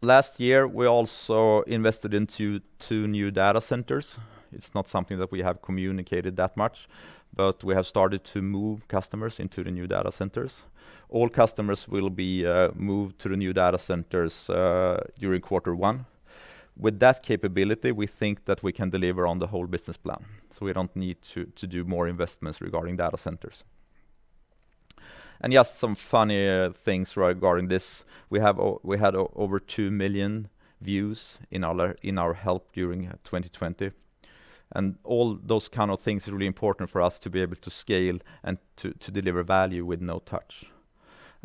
Last year, we also invested into two new data centers. It's not something that we have communicated that much, but we have started to move customers into the new data centers. All customers will be moved to the new data centers during quarter one. With that capability, we think that we can deliver on the whole business plan, so we don't need to do more investments regarding data centers. Just some funny things regarding this. We had over 2 million views in our help during 2020. All those kind of things are really important for us to be able to scale and to deliver value with no-touch.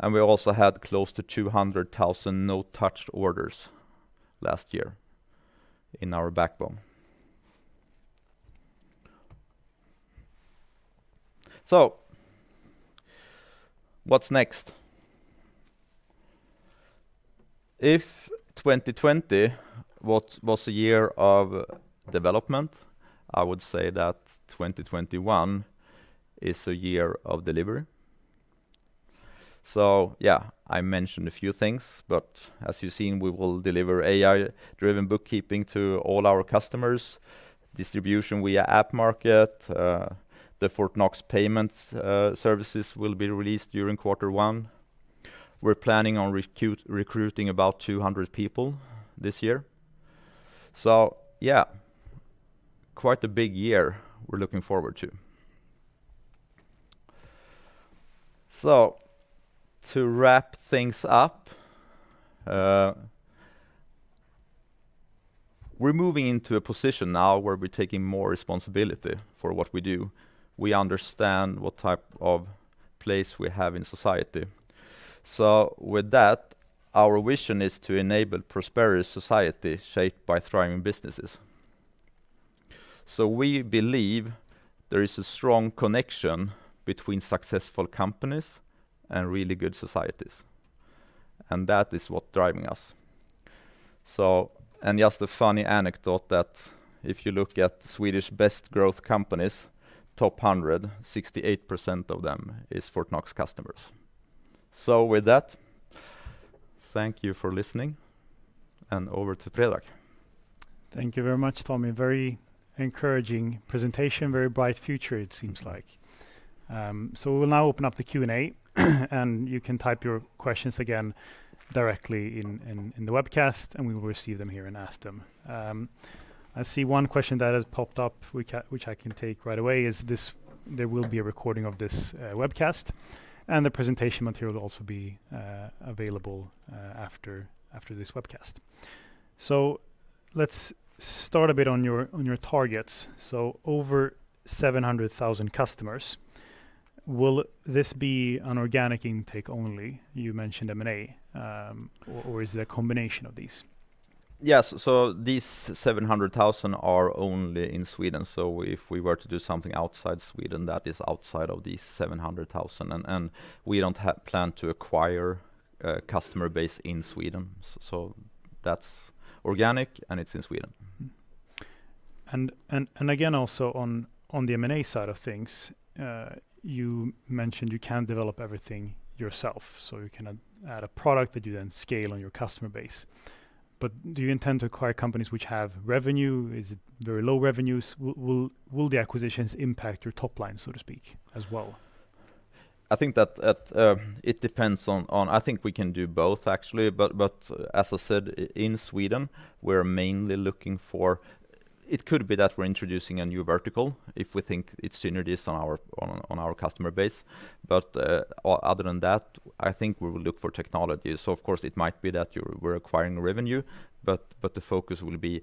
We also had close to 200,000 no-touch orders last year in our backbone. What's next? If 2020 was a year of development, I would say that 2021 is a year of delivery. Yeah, I mentioned a few things, but as you've seen, we will deliver AI-driven bookkeeping to all our customers, distribution via app market, the Fortnox payments will be released during quarter one. We're planning on recruiting about 200 people this year. Yeah, quite a big year we're looking forward to. To wrap things up, we're moving into a position now where we're taking more responsibility for what we do. We understand what type of place we have in society. With that, our vision is to enable prosperous society shaped by thriving businesses. We believe there is a strong connection between successful companies and really good societies, and that is what driving us. Just a funny anecdote that if you look at Swedish best growth companies, top 100, 68% of them is Fortnox customers. With that, thank you for listening, and over to Predrag. Thank you very much, Tommy. Very encouraging presentation, very bright future it seems like. We'll now open up the Q&A, and you can type your questions again directly in the webcast, and we will receive them here and ask them. I see one question that has popped up which I can take right away is this, there will be a recording of this webcast and the presentation material will also be available after this webcast. Let's start a bit on your targets. Over 700,000 customers, will this be an organic intake only? You mentioned M&A, or is it a combination of these? Yes. These 700,000 are only in Sweden. If we were to do something outside Sweden, that is outside of these 700,000, and we don't plan to acquire a customer base in Sweden. That's organic, and it's in Sweden. Again, also on the M&A side of things, you mentioned you can't develop everything yourself, you can add a product that you then scale on your customer base. Do you intend to acquire companies which have revenue? Is it very low revenues? Will the acquisitions impact your top line, so to speak, as well? I think we can do both actually, but as I said, in Sweden, we're mainly looking for It could be that we're introducing a new vertical if we think it synergies on our customer base. Other than that, I think we will look for technology. Of course, it might be that we're acquiring revenue but the focus will be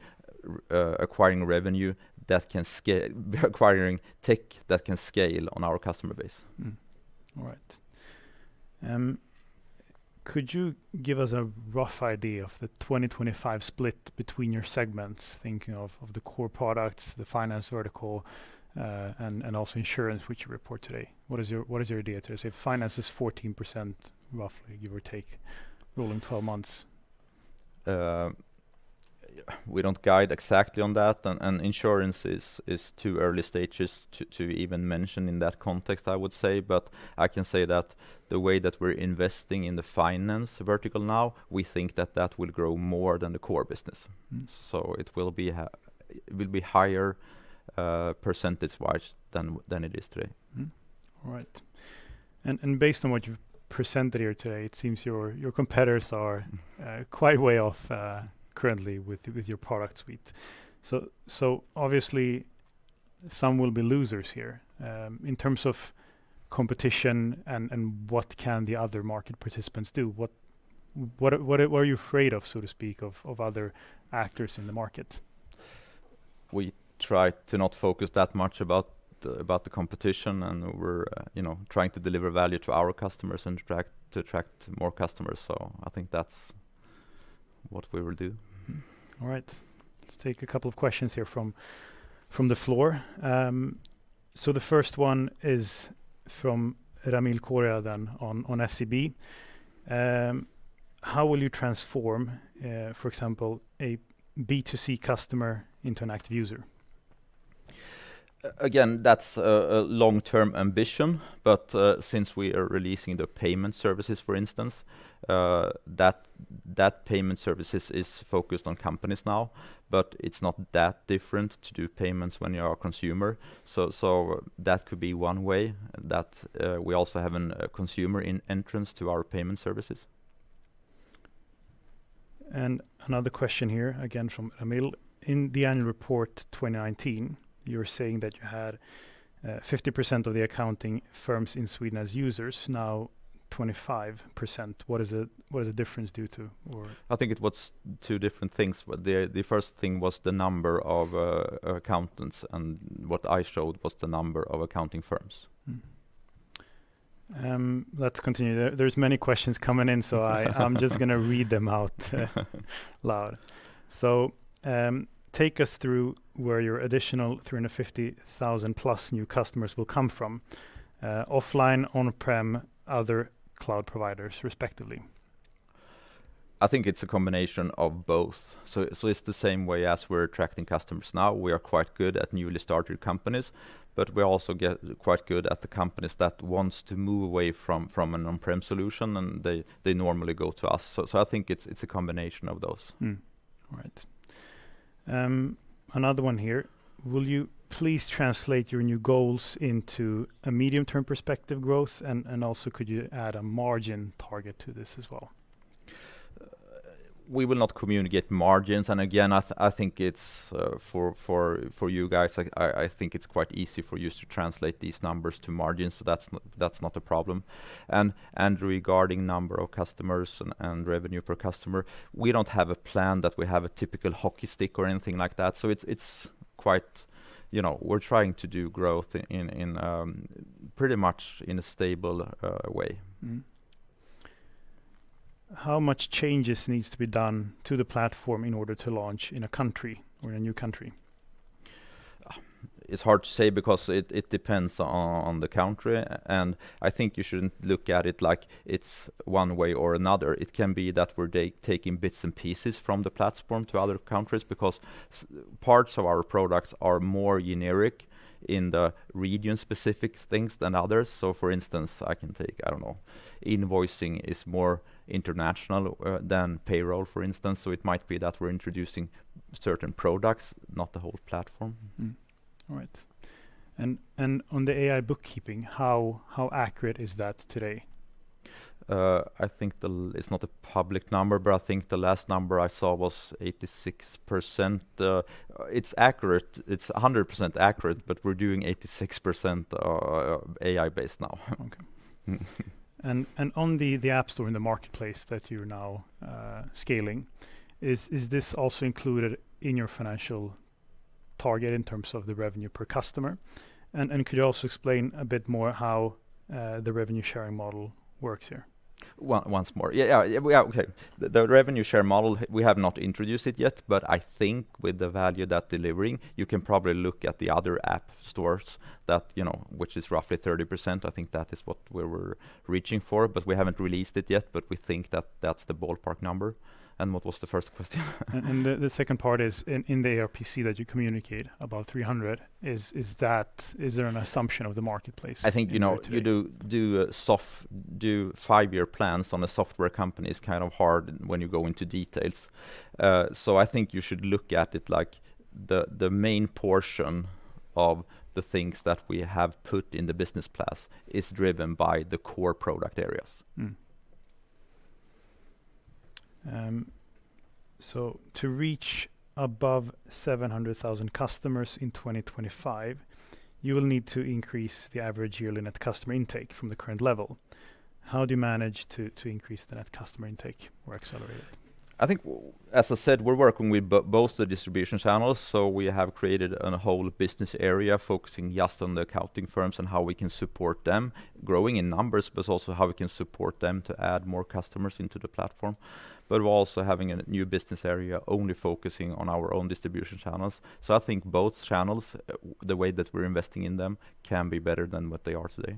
acquiring tech that can scale on our customer base. All right. Could you give us a rough idea of the 2025 split between your segments, thinking of the core products, the finance vertical, and also insurance which you report today? What is your idea to say finance is 14% roughly, give or take, rolling 12 months? We don't guide exactly on that, and insurance is too early stages to even mention in that context, I would say. I can say that the way that we're investing in the finance vertical now, we think that that will grow more than the core business. It will be higher, percentage-wise than it is today. All right. Based on what you've presented here today, it seems your competitors are quite way off currently with your product suite. Obviously, some will be losers here. In terms of competition and what can the other market participants do, what are you afraid of, so to speak, of other actors in the market? We try to not focus that much about the competition, and we're trying to deliver value to our customers and to attract more customers. I think that's what we will do. All right. Let's take a couple of questions here from the floor. The first one is from Emil Correa then on SEB. How will you transform, for example, a B2C customer into an active user? Again, that's a long-term ambition, but since we are releasing the payment services, for instance, that payment services is focused on companies now, but it's not that different to do payments when you are a consumer. That could be one way that we also have a consumer entrance to our payment services. Another question here, again, from Emil. In the annual report 2019, you were saying that you had 50% of the accounting firms in Sweden as users, now 25%. What is the difference due to? I think it was two different things. The first thing was the number of accountants, and what I showed was the number of accounting firms. Let's continue. There's many questions coming in. I'm just going to read them out loud. Take us through where your additional 350,000 plus new customers will come from, offline, on-prem, other cloud providers, respectively. I think it's a combination of both. It's the same way as we're attracting customers now. We are quite good at newly started companies, but we also get quite good at the companies that wants to move away from an on-prem solution, and they normally go to us. I think it's a combination of those. All right. Another one here. Will you please translate your new goals into a medium-term perspective growth? Also could you add a margin target to this as well? We will not communicate margins. Again, I think for you guys, I think it's quite easy for you to translate these numbers to margins, so that's not a problem. Regarding number of customers and revenue per customer, we don't have a plan that we have a typical hockey stick or anything like that. We're trying to do growth pretty much in a stable way. How much changes needs to be done to the platform in order to launch in a country or a new country? It's hard to say because it depends on the country. I think you shouldn't look at it like it's one way or another. It can be that we're taking bits and pieces from the platform to other countries because parts of our products are more generic in the region-specific things than others. For instance, I can take, I don't know, invoicing is more international than payroll, for instance. It might be that we're introducing certain products, not the whole platform. All right. On the AI bookkeeping, how accurate is that today? I think it's not a public number, but I think the last number I saw was 86%. It's 100% accurate, but we're doing 86% AI-based now. Okay. On the App Store and the marketplace that you're now scaling, is this also included in your financial target in terms of the revenue per customer? Could you also explain a bit more how the revenue-sharing model works here? Once more. Yeah. Okay. The revenue share model, we have not introduced it yet, but I think with the value that delivering, you can probably look at the other app stores which is roughly 30%. I think that is what we were reaching for, but we haven't released it yet. We think that's the ballpark number. What was the first question? The second part is in the ARPC that you communicate about 300, is there an assumption of the marketplace? I think- in there today? to do five-year plans on a software company is hard when you go into details. I think you should look at it like the main portion of the things that we have put in the Business Plus is driven by the core product areas. To reach above 700,000 customers in 2025, you will need to increase the average yearly net customer intake from the current level. How do you manage to increase the net customer intake or accelerate it? I think, as I said, we're working with both the distribution channels. We have created a whole business area focusing just on the accounting firms and how we can support them growing in numbers, but also how we can support them to add more customers into the platform. We're also having a new business area only focusing on our own distribution channels. I think both channels, the way that we're investing in them, can be better than what they are today.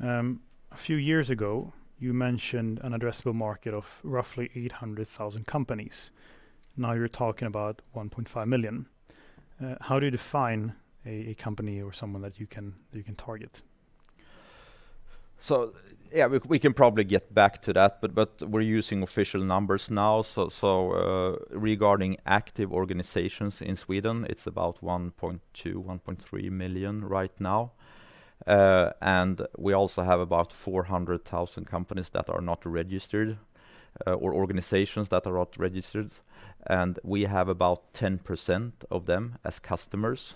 A few years ago, you mentioned an addressable market of roughly 800,000 companies. Now you're talking about 1.5 million. How do you define a company or someone that you can target? Yeah, we can probably get back to that, but we're using official numbers now. Regarding active organizations in Sweden, it's about 1.2 million, 1.3 million right now. We also have about 400,000 companies that are not registered, or organizations that are not registered. We have about 10% of them as customers.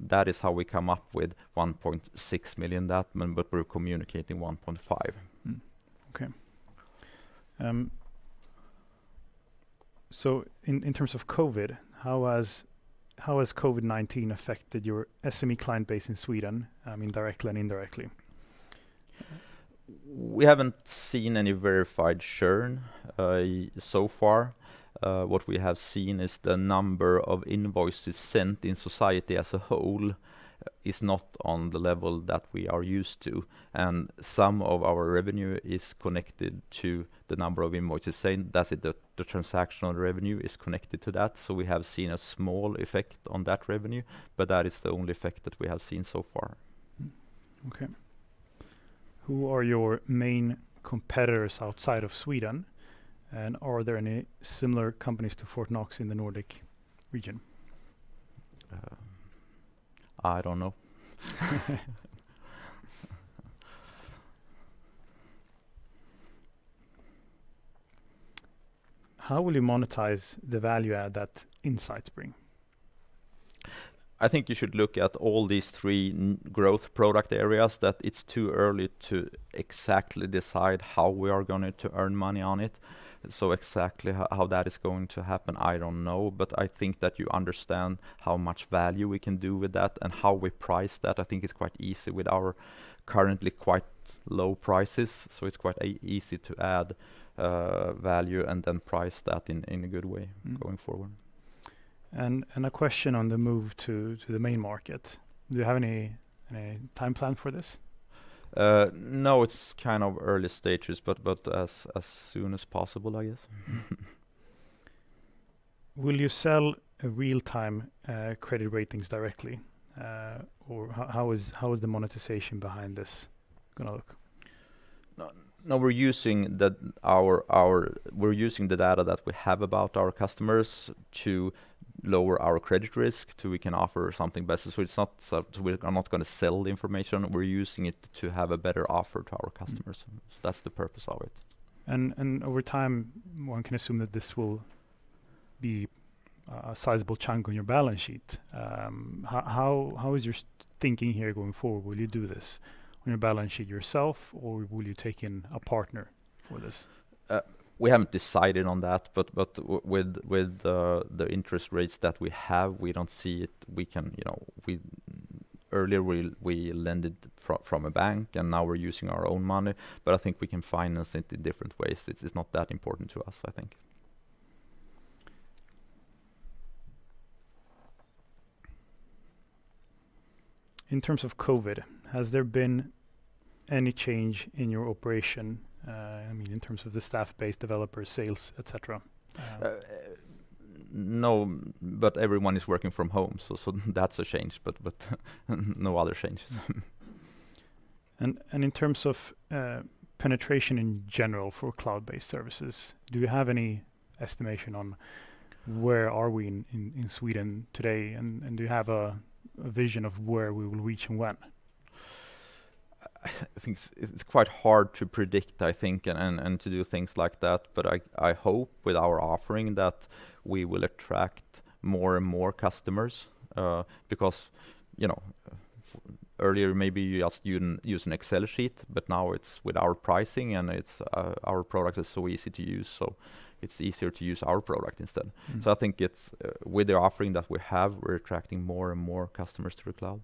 That is how we come up with 1.6 million that, but we're communicating 1.5 million. In terms of COVID, how has COVID-19 affected your SME client base in Sweden, directly and indirectly? We haven't seen any verified churn so far. What we have seen is the number of invoices sent in society as a whole is not on the level that we are used to. Some of our revenue is connected to the number of invoices sent. That's it. The transactional revenue is connected to that, so we have seen a small effect on that revenue. That is the only effect that we have seen so far. Okay. Who are your main competitors outside of Sweden? Are there any similar companies to Fortnox in the Nordic region? I don't know. How will you monetize the value add that Insights bring? I think you should look at all these three growth product areas, that it's too early to exactly decide how we are going to earn money on it. Exactly how that is going to happen, I don't know. I think that you understand how much value we can do with that, and how we price that. I think it's quite easy with our currently quite low prices. It's quite easy to add value and then price that in a good way going forward. A question on the move to the main market, do you have any time plan for this? No, it's early stages, but as soon as possible, I guess. Will you sell real-time credit ratings directly? How is the monetization behind this going to look? We're using the data that we have about our customers to lower our credit risk, till we can offer something better. I'm not going to sell the information. We're using it to have a better offer to our customers. That's the purpose of it. Over time, one can assume that this will be a sizable chunk on your balance sheet. How is your thinking here going forward? Will you do this on your balance sheet yourself, or will you take in a partner for this? We haven't decided on that, but with the interest rates that we have, we don't see it. Earlier, we lended from a bank, and now we're using our own money, but I think we can finance it in different ways. It's not that important to us, I think. In terms of COVID, has there been any change in your operation? I mean, in terms of the staff base, developers, sales, et cetera. No, but everyone is working from home, so that's a change. No other changes. In terms of penetration in general for cloud-based services, do you have any estimation on where are we in Sweden today, and do you have a vision of where we will reach and when? I think it's quite hard to predict, I think, and to do things like that, but I hope with our offering that we will attract more and more customers. Earlier, maybe you use an Excel sheet, but now it's with our pricing, and our product is so easy to use. It's easier to use our product instead. I think with the offering that we have, we're attracting more and more customers through cloud.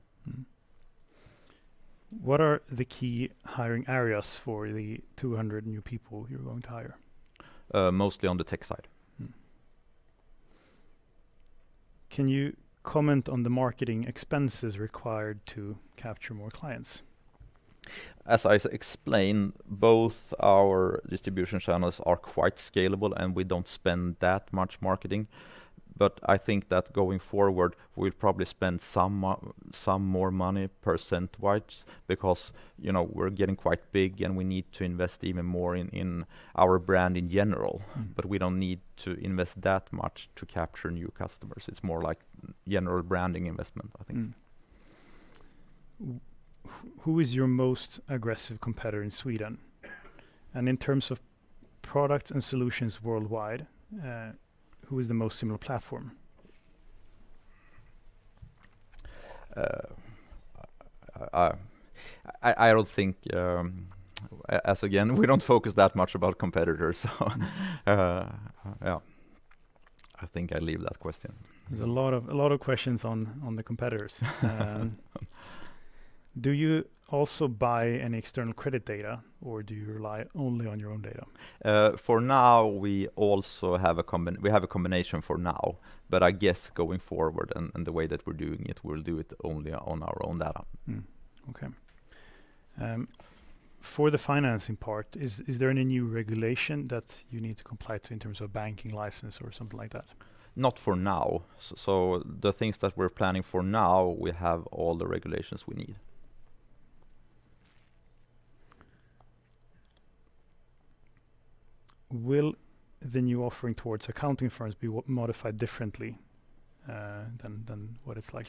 What are the key hiring areas for the 200 new people you're going to hire? Mostly on the tech side. Can you comment on the marketing expenses required to capture more clients? As I explained, both our distribution channels are quite scalable, and we don't spend that much marketing. I think that going forward, we'll probably spend some more money percent-wise because we're getting quite big, and we need to invest even more in our brand in general. We don't need to invest that much to capture new customers. It's more like general branding investment, I think. Who is your most aggressive competitor in Sweden? In terms of products and solutions worldwide, who is the most similar platform? Again, we don't focus that much about competitors, so yeah. I think I leave that question. There's a lot of questions on the competitors. Do you also buy any external credit data, or do you rely only on your own data? For now, we have a combination for now, but I guess going forward and the way that we're doing it, we'll do it only on our own data. Okay. For the financing part, is there any new regulation that you need to comply to in terms of banking license or something like that? Not for now. The things that we're planning for now, we have all the regulations we need. Will the new offering towards accounting firms be modified differently than what it's like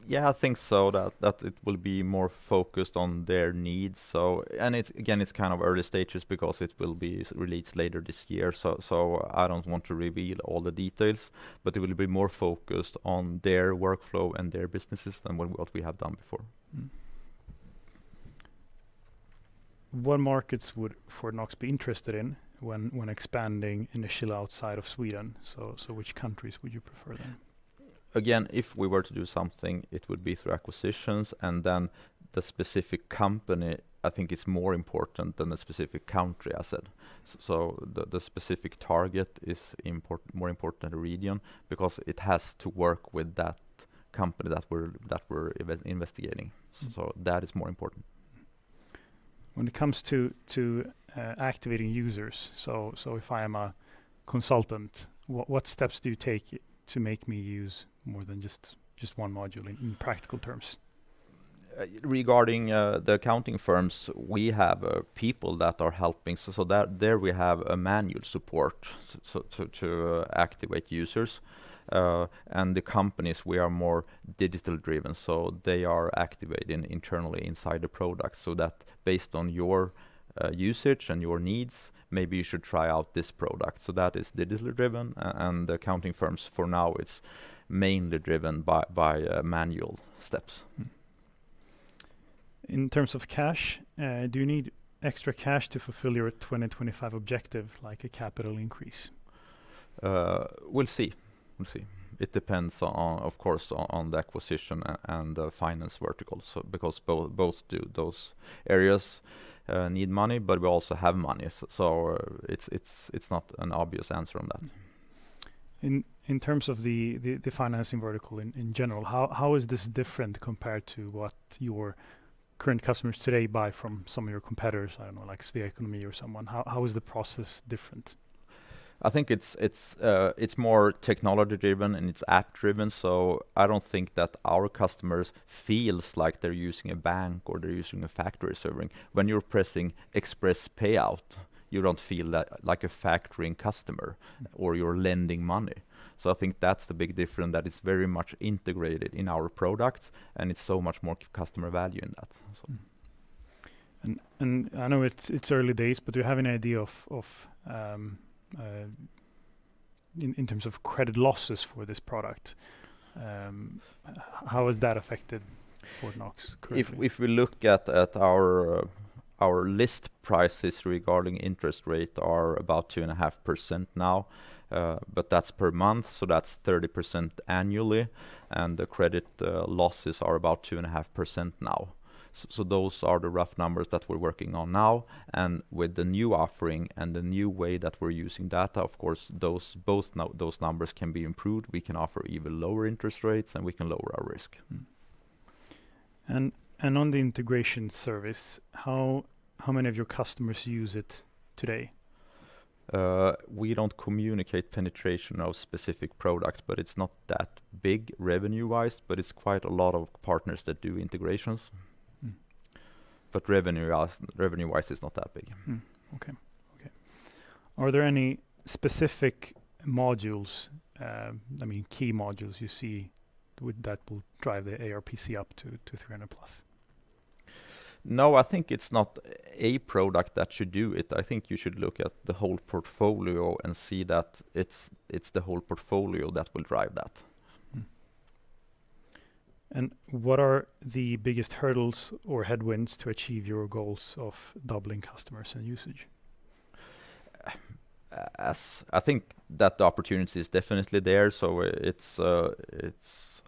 there? I think so, that it will be more focused on their needs. Again, it's early stages because it will be released later this year. I don't want to reveal all the details. It will be more focused on their workflow and their businesses than what we have done before. What markets would Fortnox be interested in when expanding initially outside of Sweden? Which countries would you prefer then? If we were to do something, it would be through acquisitions. The specific company, I think, is more important than the specific country asset. The specific target is more important than the region because it has to work with that company that we're investigating. That is more important. When it comes to activating users, so if I am a consultant, what steps do you take to make me use more than just one module, in practical terms? Regarding the accounting firms, we have people that are helping. There we have a manual support to activate users. The companies, we are more digital-driven, so they are activated internally inside the product, so that based on your usage and your needs, maybe you should try out this product. That is digital-driven, and the accounting firms for now, it's mainly driven by manual steps. In terms of cash, do you need extra cash to fulfill your 2025 objective, like a capital increase? We'll see. It depends, of course, on the acquisition and the finance vertical. Because both those areas need money, but we also have money. It's not an obvious answer on that. In terms of the financing vertical in general, how is this different compared to what your current customers today buy from some of your competitors, I don't know, like Swedbank or someone? How is the process different? I think it's more technology-driven, and it's app-driven. I don't think that our customers feel like they're using a bank or they're using a factory serving. When you're pressing Express Payout, you don't feel like a factoring customer or you're lending money. I think that's the big difference, that it's very much integrated in our products, and it's so much more customer value in that, so. I know it's early days, but do you have an idea in terms of credit losses for this product? How has that affected Fortnox currently? If we look at our list prices regarding interest rate are about 2.5% now, but that's per month, so that's 30% annually, and the credit losses are about 2.5% now. Those are the rough numbers that we're working on now, and with the new offering and the new way that we're using data, of course, both those numbers can be improved. We can offer even lower interest rates, and we can lower our risk. On the integration service, how many of your customers use it today? We don't communicate penetration of specific products, but it's not that big revenue-wise, but it's quite a lot of partners that do integrations. Revenue-wise, it's not that big. Okay. Are there any specific modules, key modules you see that will drive the ARPC up to 300+? No, I think it's not a product that should do it. I think you should look at the whole portfolio and see that it's the whole portfolio that will drive that. What are the biggest hurdles or headwinds to achieve your goals of doubling customers and usage? I think that the opportunity is definitely there. It's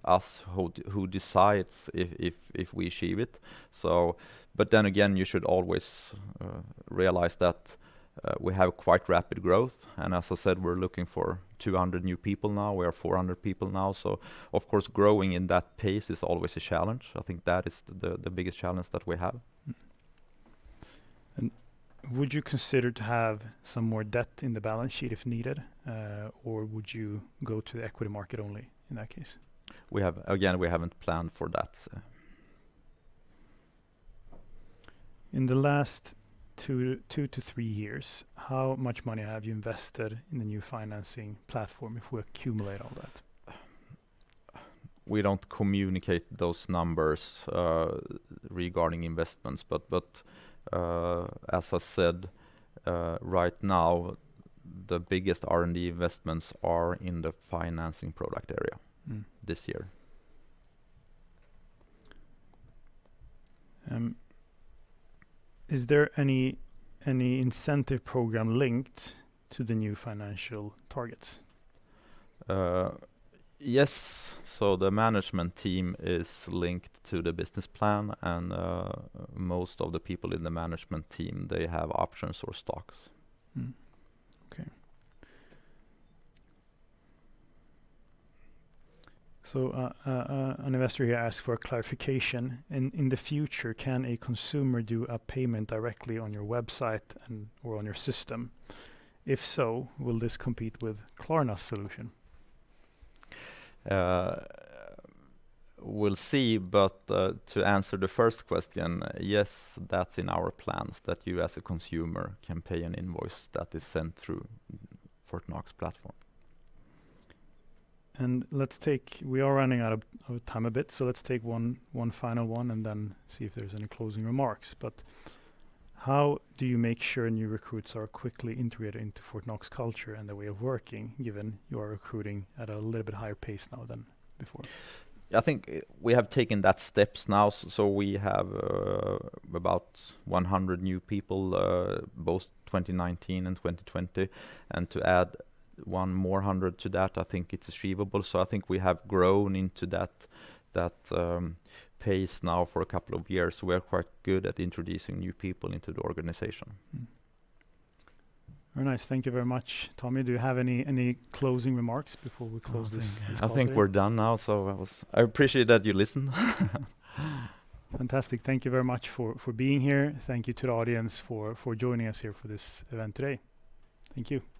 us who decides if we achieve it. Again, you should always realize that we have quite rapid growth. As I said, we're looking for 200 new people now. We are 400 people now, of course, growing in that pace is always a challenge. I think that is the biggest challenge that we have. Would you consider to have some more debt in the balance sheet if needed? Would you go to the equity market only in that case? Again, we haven't planned for that. In the last two to three years, how much money have you invested in the new financing platform if we accumulate all that? We don't communicate those numbers regarding investments. As I said, right now, the biggest R&D investments are in the financing product area. This year. Is there any incentive program linked to the new financial targets? Yes. The management team is linked to the business plan, and most of the people in the management team, they have options or stocks. Okay. An investor here asked for a clarification. In the future, can a consumer do a payment directly on your website or on your system? If so, will this compete with Klarna's solution? We'll see. To answer the first question, yes, that's in our plans that you, as a consumer, can pay an invoice that is sent through Fortnox platform. We are running out of time a bit, let's take one final one and then see if there's any closing remarks. How do you make sure new recruits are quickly integrated into Fortnox culture and the way of working, given you are recruiting at a little bit higher pace now than before? I think we have taken that steps now. We have about 100 new people both 2019 and 2020. To add one more 100 to that, I think it's achievable. I think we have grown into that pace now for a couple of years. We are quite good at introducing new people into the organization. Very nice. Thank you very much. Tommy, do you have any closing remarks before we close this call here? I think we're done now. I appreciate that you listened. Fantastic. Thank you very much for being here. Thank you to the audience for joining us here for this event today. Thank you.